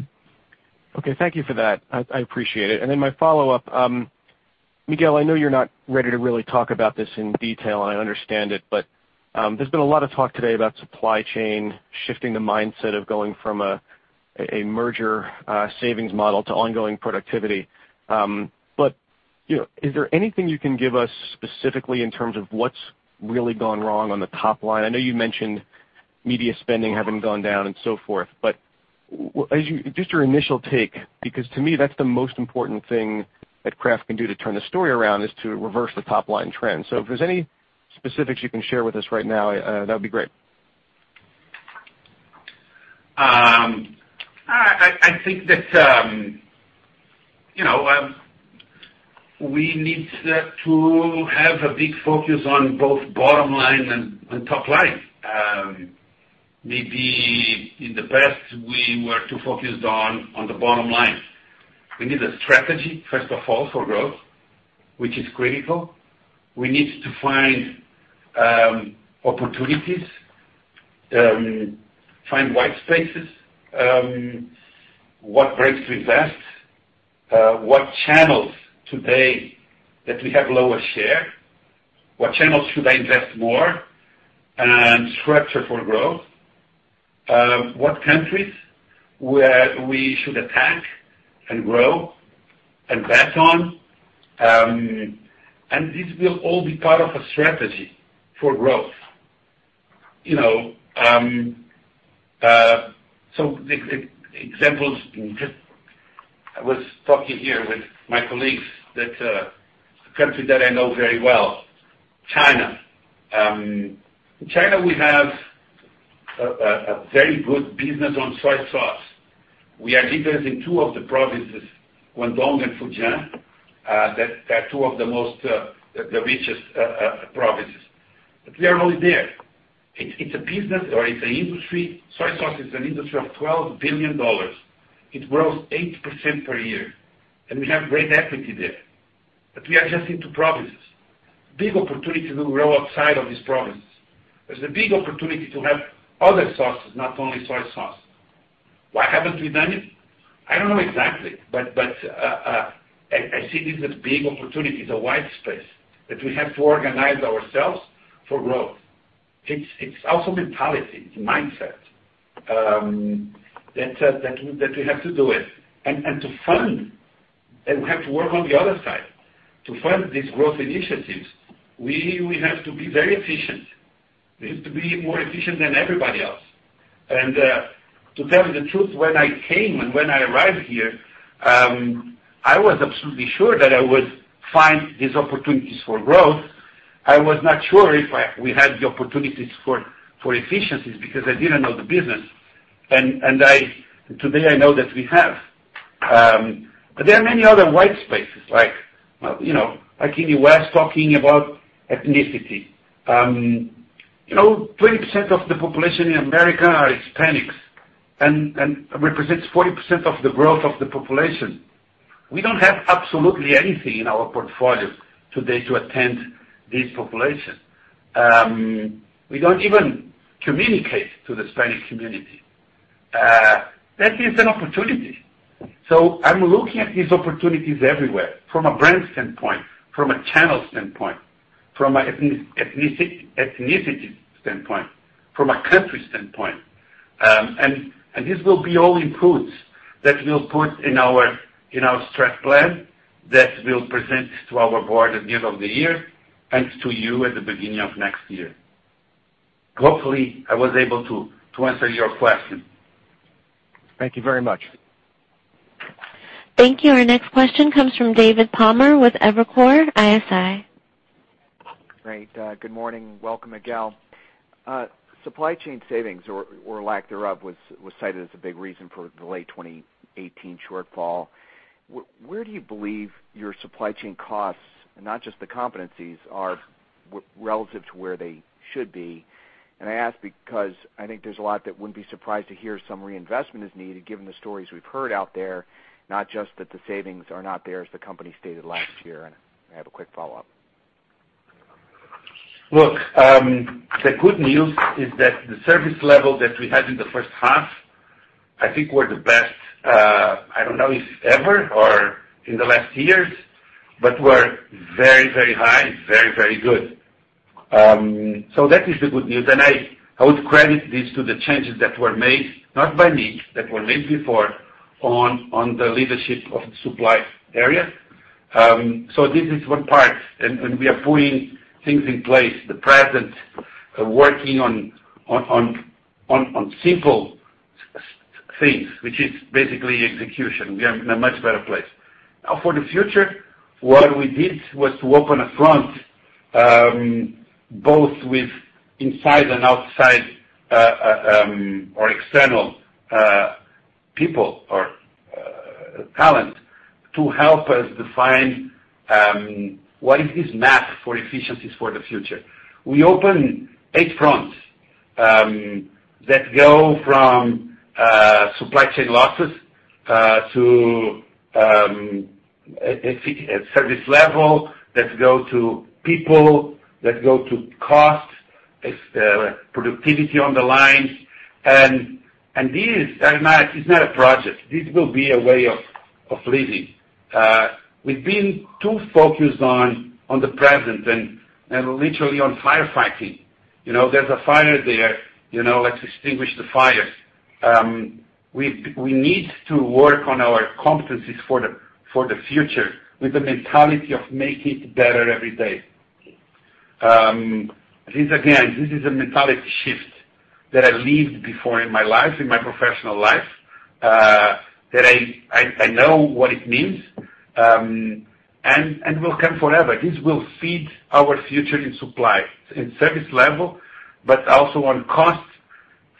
Thank you for that. I appreciate it. My follow-up, Miguel, I know you're not ready to really talk about this in detail, and I understand it, but there's been a lot of talk today about supply chain shifting the mindset of going from a merger savings model to ongoing productivity. Is there anything you can give us specifically in terms of what's really gone wrong on the top line? I know you mentioned media spending having gone down and so forth, but just your initial take, because to me, that's the most important thing that Kraft can do to turn the story around is to reverse the top-line trend. If there's any specifics you can share with us right now, that'd be great. I think that we need to have a big focus on both bottom line and top line. Maybe in the past, we were too focused on the bottom line. We need a strategy, first of all, for growth, which is critical. We need to find opportunities, find white spaces, what brands to invest, what channels today that we have lower share, what channels should I invest more, and structure for growth, what countries where we should attack and grow and bet on, and this will all be part of a strategy for growth. Some examples, I was talking here with my colleagues that a country that I know very well, China. In China, we have a very good business on soy sauce. We are leaders in two of the provinces, Guangdong and Fujian, that are two of the most richest provinces. We are only there. It's a business, or it's an industry. Soy sauce is an industry of $12 billion. It grows 8% per year, and we have great equity there. We are just in two provinces. Big opportunity to grow outside of these provinces. There's a big opportunity to have other sauces, not only soy sauce. Why haven't we done it? I don't know exactly, but I see this as a big opportunity, it's a white space that we have to organize ourselves for growth. It's also mentality. It's mindset that we have to do it. To fund, and we have to work on the other side. To fund these growth initiatives, we have to be very efficient. We have to be more efficient than everybody else. To tell you the truth, when I came and when I arrived here, I was absolutely sure that I would find these opportunities for growth. I was not sure if we had the opportunities for efficiencies, because I didn't know the business. Today, I know that we have. There are many other white spaces like, like in the West talking about ethnicity. 20% of the population in America are Hispanics, and represents 40% of the growth of the population. We don't have absolutely anything in our portfolio today to attend this population. We don't even communicate to the Hispanic community. That is an opportunity. I'm looking at these opportunities everywhere from a brand standpoint, from a channel standpoint, from a ethnicity standpoint, from a country standpoint. This will be all inputs that we'll put in our stress plan that we'll present to our board at the end of the year and to you at the beginning of next year. Hopefully I was able to answer your question. Thank you very much. Thank you. Our next question comes from David Palmer with Evercore ISI. Great. Good morning. Welcome, Miguel. Supply chain savings or lack thereof was cited as a big reason for the late 2018 shortfall. Where do you believe your supply chain costs, not just the competencies, are relative to where they should be? I ask because I think there's a lot that wouldn't be surprised to hear some reinvestment is needed given the stories we've heard out there, not just that the savings are not there as the company stated last year. I have a quick follow-up. The good news is that the service level that we had in the first half, I think, were the best, I don't know if ever or in the last years, but were very high, very good. That is the good news, and I would credit this to the changes that were made, not by me, that were made before on the leadership of the supply area. This is one part, and we are putting things in place. The present, working on simple things, which is basically execution. We are in a much better place. Now for the future, what we did was to open a front, both with inside and outside, or external people or talent to help us define what is map for efficiencies for the future. We open eight fronts that go from supply chain losses to service level, that go to people, that go to cost, productivity on the lines. This is not a project. This will be a way of living. We've been too focused on the present and literally on firefighting. There's a fire there, let's extinguish the fires. We need to work on our competencies for the future with the mentality of make it better every day. This, again, this is a mentality shift that I lived before in my life, in my professional life, that I know what it means. It will come forever. This will feed our future in supply, in service level, but also on cost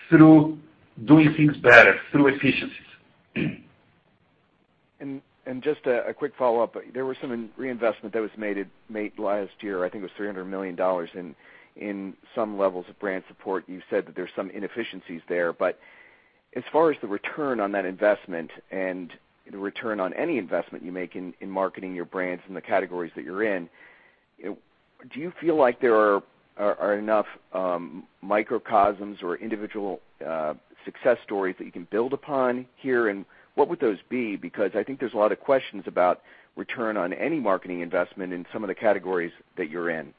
through doing things better, through efficiencies. Just a quick follow-up. There was some reinvestment that was made last year, I think it was $300 million in some levels of brand support. You said that there's some inefficiencies there, but as far as the return on that investment and the return on any investment you make in marketing your brands in the categories that you're in, do you feel like there are enough microcosms or individual success stories that you can build upon here? What would those be? Because I think there's a lot of questions about return on any marketing investment in some of the categories that you're in.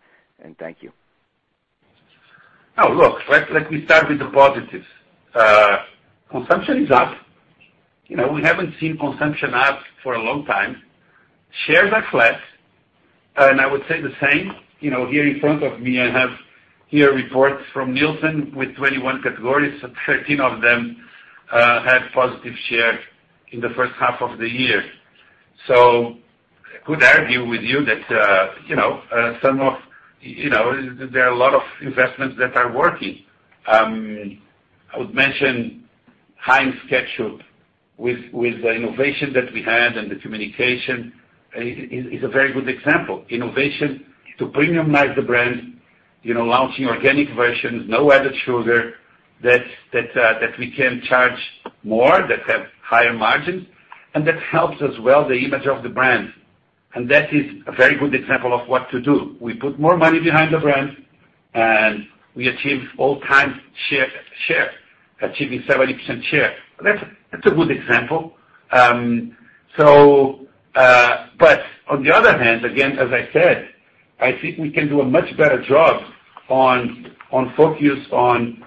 Thank you. Look, let me start with the positives. Consumption is up. We haven't seen consumption up for a long time. Shares are flat, and I would say the same. Here in front of me, I have here reports from Nielsen with 21 categories. 13 of them had positive share in the first half of the year. Could argue with you that there are a lot of investments that are working. I would mention Heinz Ketchup with the innovation that we had and the communication is a very good example. Innovation to premiumize the brand, launching organic versions, no added sugar, that we can charge more, that have higher margins, and that helps as well the image of the brand. That is a very good example of what to do. We put more money behind the brand, and we achieve all-time share, achieving 70% share. That's a good example. On the other hand, again, as I said, I think we can do a much better job on focus on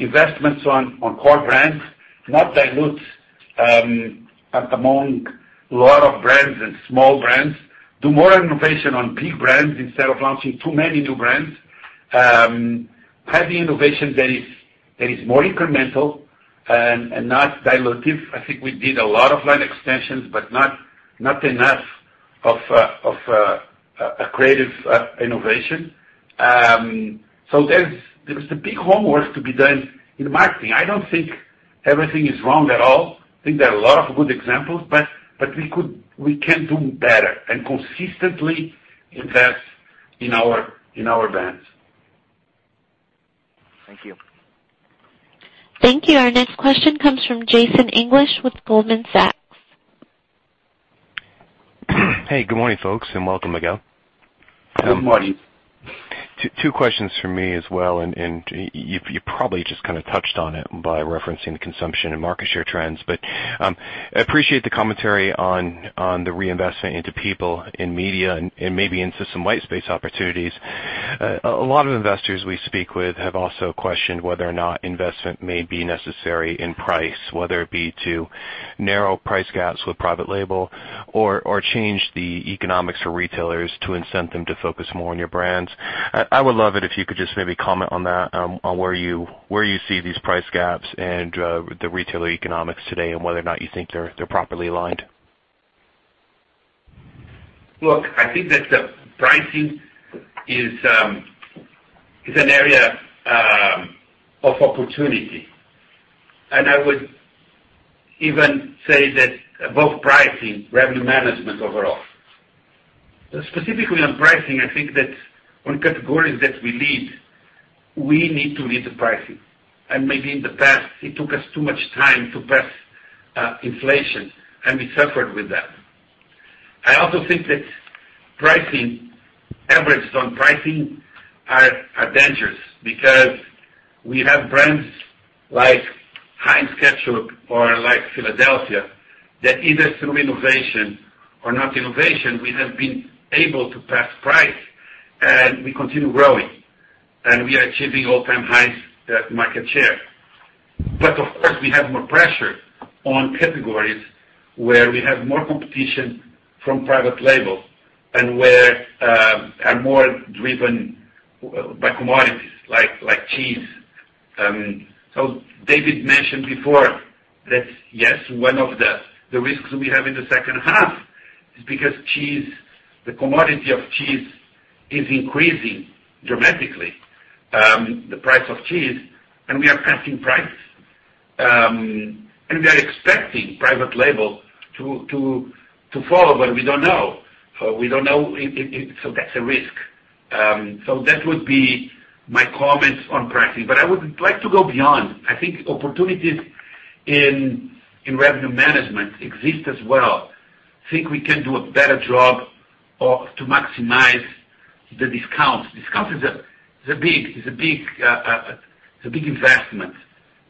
investments on core brands, not dilute among lot of brands and small brands. Do more innovation on big brands instead of launching too many new brands. Have the innovation that is more incremental and not dilutive. I think we did a lot of line extensions, but not enough of creative innovation. There is the big homework to be done in marketing. I don't think everything is wrong at all. I think there are a lot of good examples, but we can do better and consistently invest in our brands. Thank you. Thank you. Our next question comes from Jason English with Goldman Sachs. Hey, good morning, folks, and welcome, Miguel. Good morning. Two questions from me as well. You probably just kind of touched on it by referencing the consumption and market share trends, but appreciate the commentary on the reinvestment into people in media and maybe into some white space opportunities. A lot of investors we speak with have also questioned whether or not investment may be necessary in price, whether it be to narrow price gaps with private label or change the economics for retailers to incent them to focus more on your brands. I would love it if you could just maybe comment on that, on where you see these price gaps and the retailer economics today, and whether or not you think they're properly aligned. Look, I think that the pricing is an area of opportunity. I would even say that above pricing, revenue management overall. Specifically on pricing, I think that on categories that we lead, we need to lead the pricing. Maybe in the past, it took us too much time to pass inflation, and we suffered with that. I also think that average on pricing are dangerous because we have brands like Heinz Ketchup or like Philadelphia that either through innovation or not innovation, we have been able to pass price, and we continue growing, and we are achieving all-time highs market share. Of course, we have more pressure on categories where we have more competition from private label and are more driven by commodities like cheese. David mentioned before that, yes, one of the risks we have in the second half is because the commodity of cheese is increasing dramatically, the price of cheese, and we are passing price. We are expecting private label to follow, but we don't know. That's a risk. That would be my comments on pricing. I would like to go beyond. I think opportunities in revenue management exist as well. I think we can do a better job to maximize the discounts. Discounts is a big investment.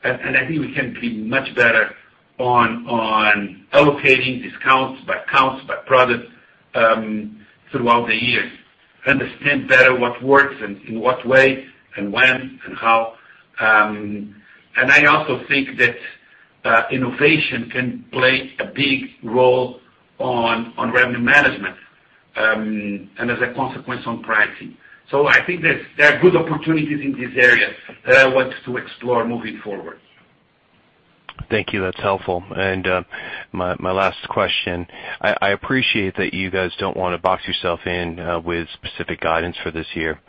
I think we can be much better on allocating discounts by accounts, by products throughout the year. Understand better what works and in what way and when and how. I also think that innovation can play a big role on revenue management, and as a consequence, on pricing. I think there are good opportunities in this area that I want to explore moving forward. Thank you. That's helpful. My last question. I appreciate that you guys don't want to box yourself in with specific guidance for this year.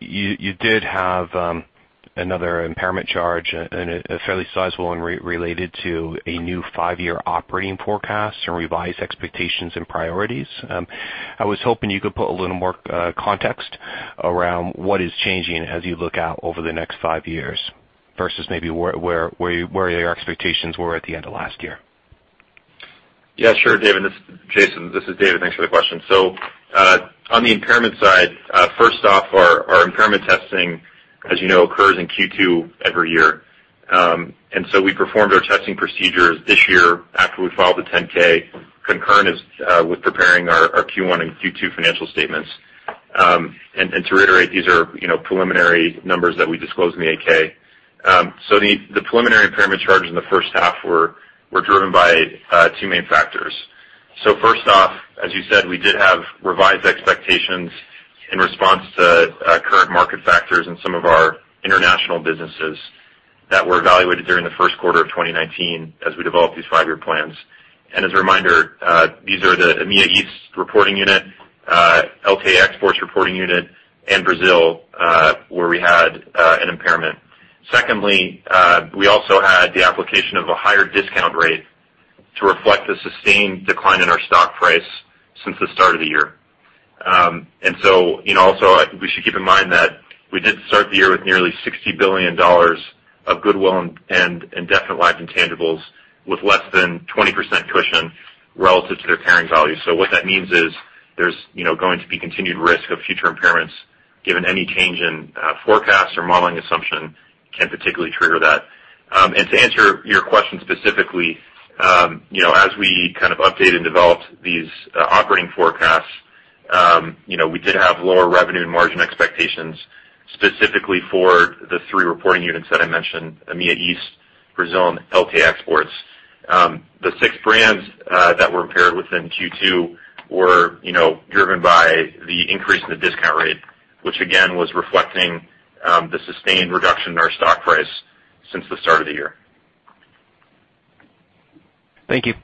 You did have another impairment charge and a fairly sizable one related to a new five-year operating forecast and revised expectations and priorities. I was hoping you could put a little more context around what is changing as you look out over the next five years versus maybe where your expectations were at the end of last year. Yeah, sure, Jason. This is David. Thanks for the question. On the impairment side, first off, our impairment testing, as you know, occurs in Q2 every year. We performed our testing procedures this year after we filed the 10-K concurrent with preparing our Q1 and Q2 financial statements. To reiterate, these are preliminary numbers that we disclosed in the 8-K. The preliminary impairment charges in the first half were driven by two main factors. First off, as you said, we did have revised expectations in response to current market factors in some of our international businesses that were evaluated during the first quarter of 2019 as we developed these five-year plans. As a reminder, these are the EMEA East reporting unit, LK Exports reporting unit, and Brazil, where we had an impairment. We also had the application of a higher discount rate to reflect the sustained decline in our stock price since the start of the year. We should keep in mind that we did start the year with nearly $60 billion of goodwill and indefinite life intangibles with less than 20% cushion relative to their carrying value. What that means is there's going to be continued risk of future impairments, given any change in forecast or modeling assumption can particularly trigger that. To answer your question specifically, as we kind of updated and developed these operating forecasts, we did have lower revenue and margin expectations, specifically for the three reporting units that I mentioned, EMEA East, Brazil, and LK Exports. The six brands that were impaired within Q2 were driven by the increase in the discount rate, which again, was reflecting the sustained reduction in our stock price since the start of the year. Thank you.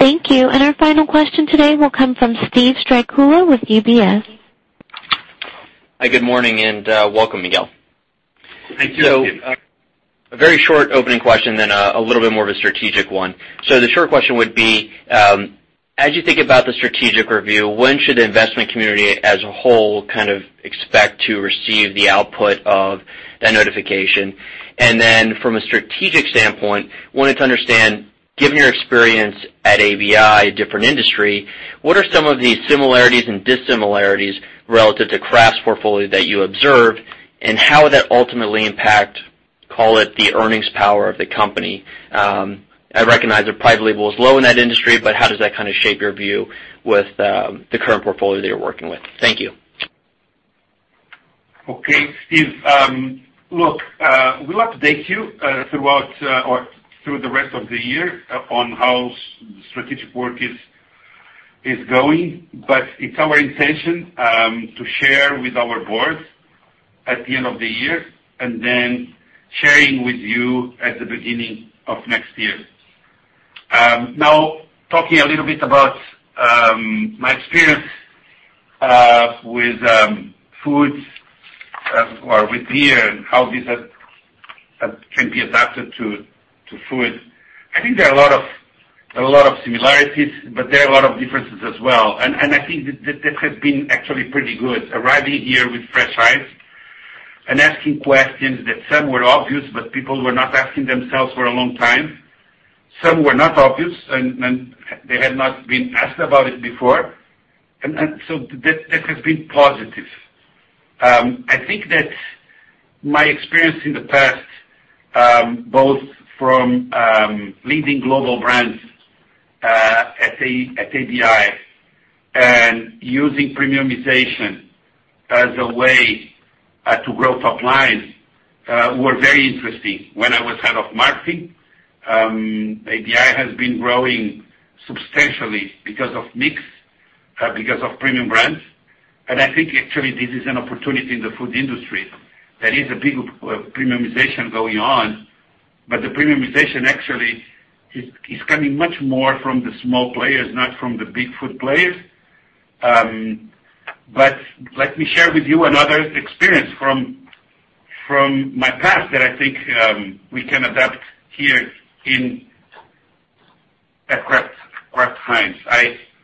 Thank you. Our final question today will come from Steve Strycula with UBS. Hi, good morning and welcome, Miguel. Thank you, Steve. A very short opening question, then a little bit more of a strategic one. The short question would be, as you think about the strategic review, when should the investment community as a whole kind of expect to receive the output of that notification? From a strategic standpoint, wanted to understand, given your experience at ABI, a different industry, what are some of the similarities and dissimilarities relative to Kraft's portfolio that you observed, and how would that ultimately impact, call it, the earnings power of the company? I recognize that private label is low in that industry, but how does that kind of shape your view with the current portfolio that you're working with? Thank you. Okay. Steve, look, we'll update you throughout or through the rest of the year on how strategic work is going, but it's our intention to share with our board at the end of the year, and then sharing with you at the beginning of next year. Talking a little bit about my experience with food or with beer and how this can be adapted to food. I think there are a lot of similarities, but there are a lot of differences as well. I think that has been actually pretty good, arriving here with fresh eyes and asking questions that some were obvious, but people were not asking themselves for a long time. Some were not obvious, and they had not been asked about it before. That has been positive. I think that my experience in the past, both from leading global brands at ABI and using premiumization as a way to grow top line, were very interesting. When I was head of marketing, ABI has been growing substantially because of mix, because of premium brands. I think actually this is an opportunity in the food industry. There is a big premiumization going on, but the premiumization actually is coming much more from the small players, not from the big food players. Let me share with you another experience from my past that I think we can adapt here at Kraft Heinz.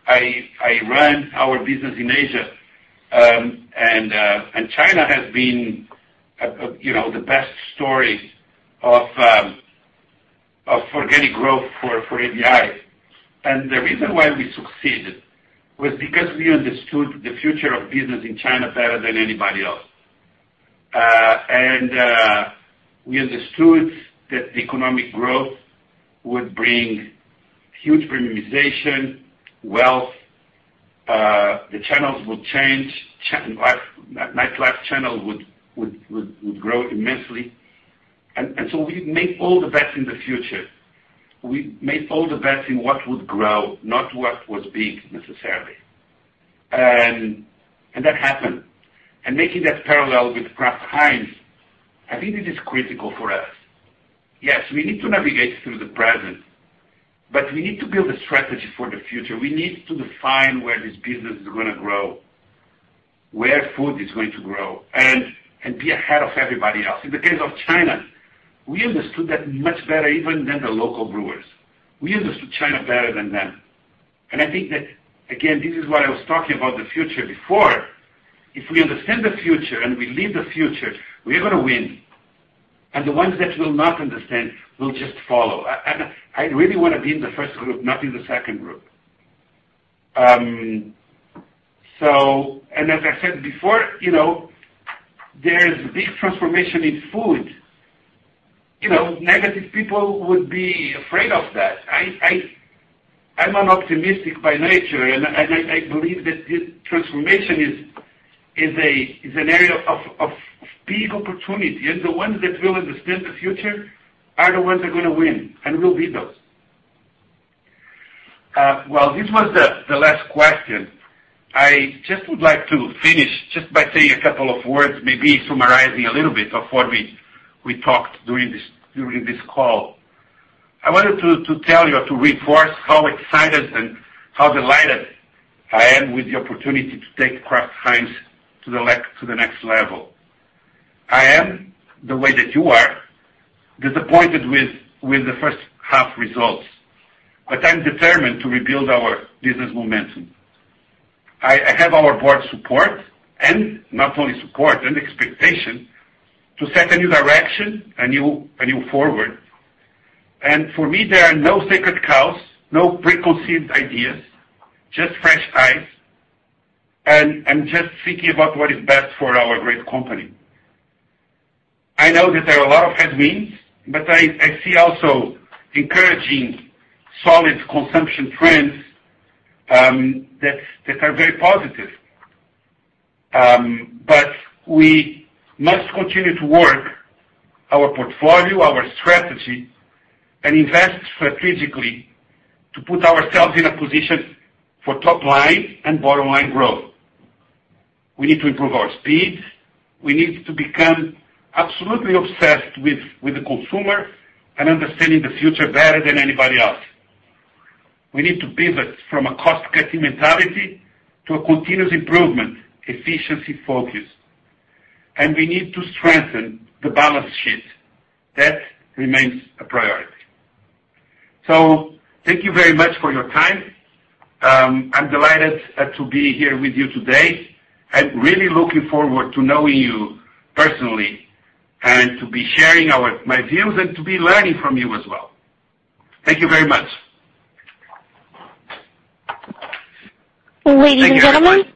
I run our business in Asia, and China has been the best story for getting growth for ABI. The reason why we succeeded was because we understood the future of business in China better than anybody else. We understood that economic growth would bring huge premiumization, wealth. The channels would change. Nightlife channels would grow immensely. We made all the bets in the future. We made all the bets in what would grow, not what was big necessarily. That happened. Making that parallel with Kraft Heinz, I think it is critical for us. Yes, we need to navigate through the present, but we need to build a strategy for the future. We need to define where this business is going to grow, where food is going to grow, and be ahead of everybody else. In the case of China, we understood that much better even than the local brewers. We understood China better than them. I think that, again, this is what I was talking about the future before. If we understand the future and we lead the future, we're going to win. The ones that will not understand will just follow. I really want to be in the first group, not in the second group. As I said before, there's this transformation in food. Negative people would be afraid of that. I'm an optimistic by nature, and I believe that this transformation is an area of big opportunity. The ones that will understand the future are the ones that are going to win, and we'll be those. This was the last question. I just would like to finish just by saying a couple of words, maybe summarizing a little bit of what we talked during this call. I wanted to tell you or to reinforce how excited and how delighted I am with the opportunity to take Kraft Heinz to the next level. I am, the way that you are, disappointed with the first half results, but I'm determined to rebuild our business momentum. I have our board's support, and not only support, and expectation to set a new direction, a new forward. For me, there are no sacred cows, no preconceived ideas, just fresh eyes, and just thinking about what is best for our great company. I know that there are a lot of headwinds, but I see also encouraging solid consumption trends that are very positive. We must continue to work our portfolio, our strategy, and invest strategically to put ourselves in a position for top-line and bottom-line growth. We need to improve our speed. We need to become absolutely obsessed with the consumer and understanding the future better than anybody else. We need to pivot from a cost-cutting mentality to a continuous improvement, efficiency focus, and we need to strengthen the balance sheet. That remains a priority. Thank you very much for your time. I'm delighted to be here with you today and really looking forward to knowing you personally and to be sharing my views and to be learning from you as well. Thank you very much. Ladies and gentlemen.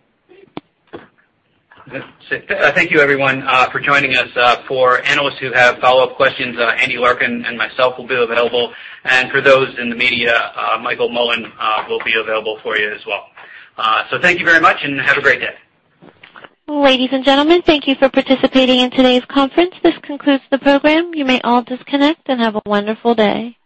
Thank you, everyone. Thank you, everyone, for joining us. For analysts who have follow-up questions, Andy Larkin and myself will be available. For those in the media, Michael Mullen will be available for you as well. Thank you very much and have a great day. Ladies and gentlemen, thank you for participating in today's conference. This concludes the program. You may all disconnect and have a wonderful day.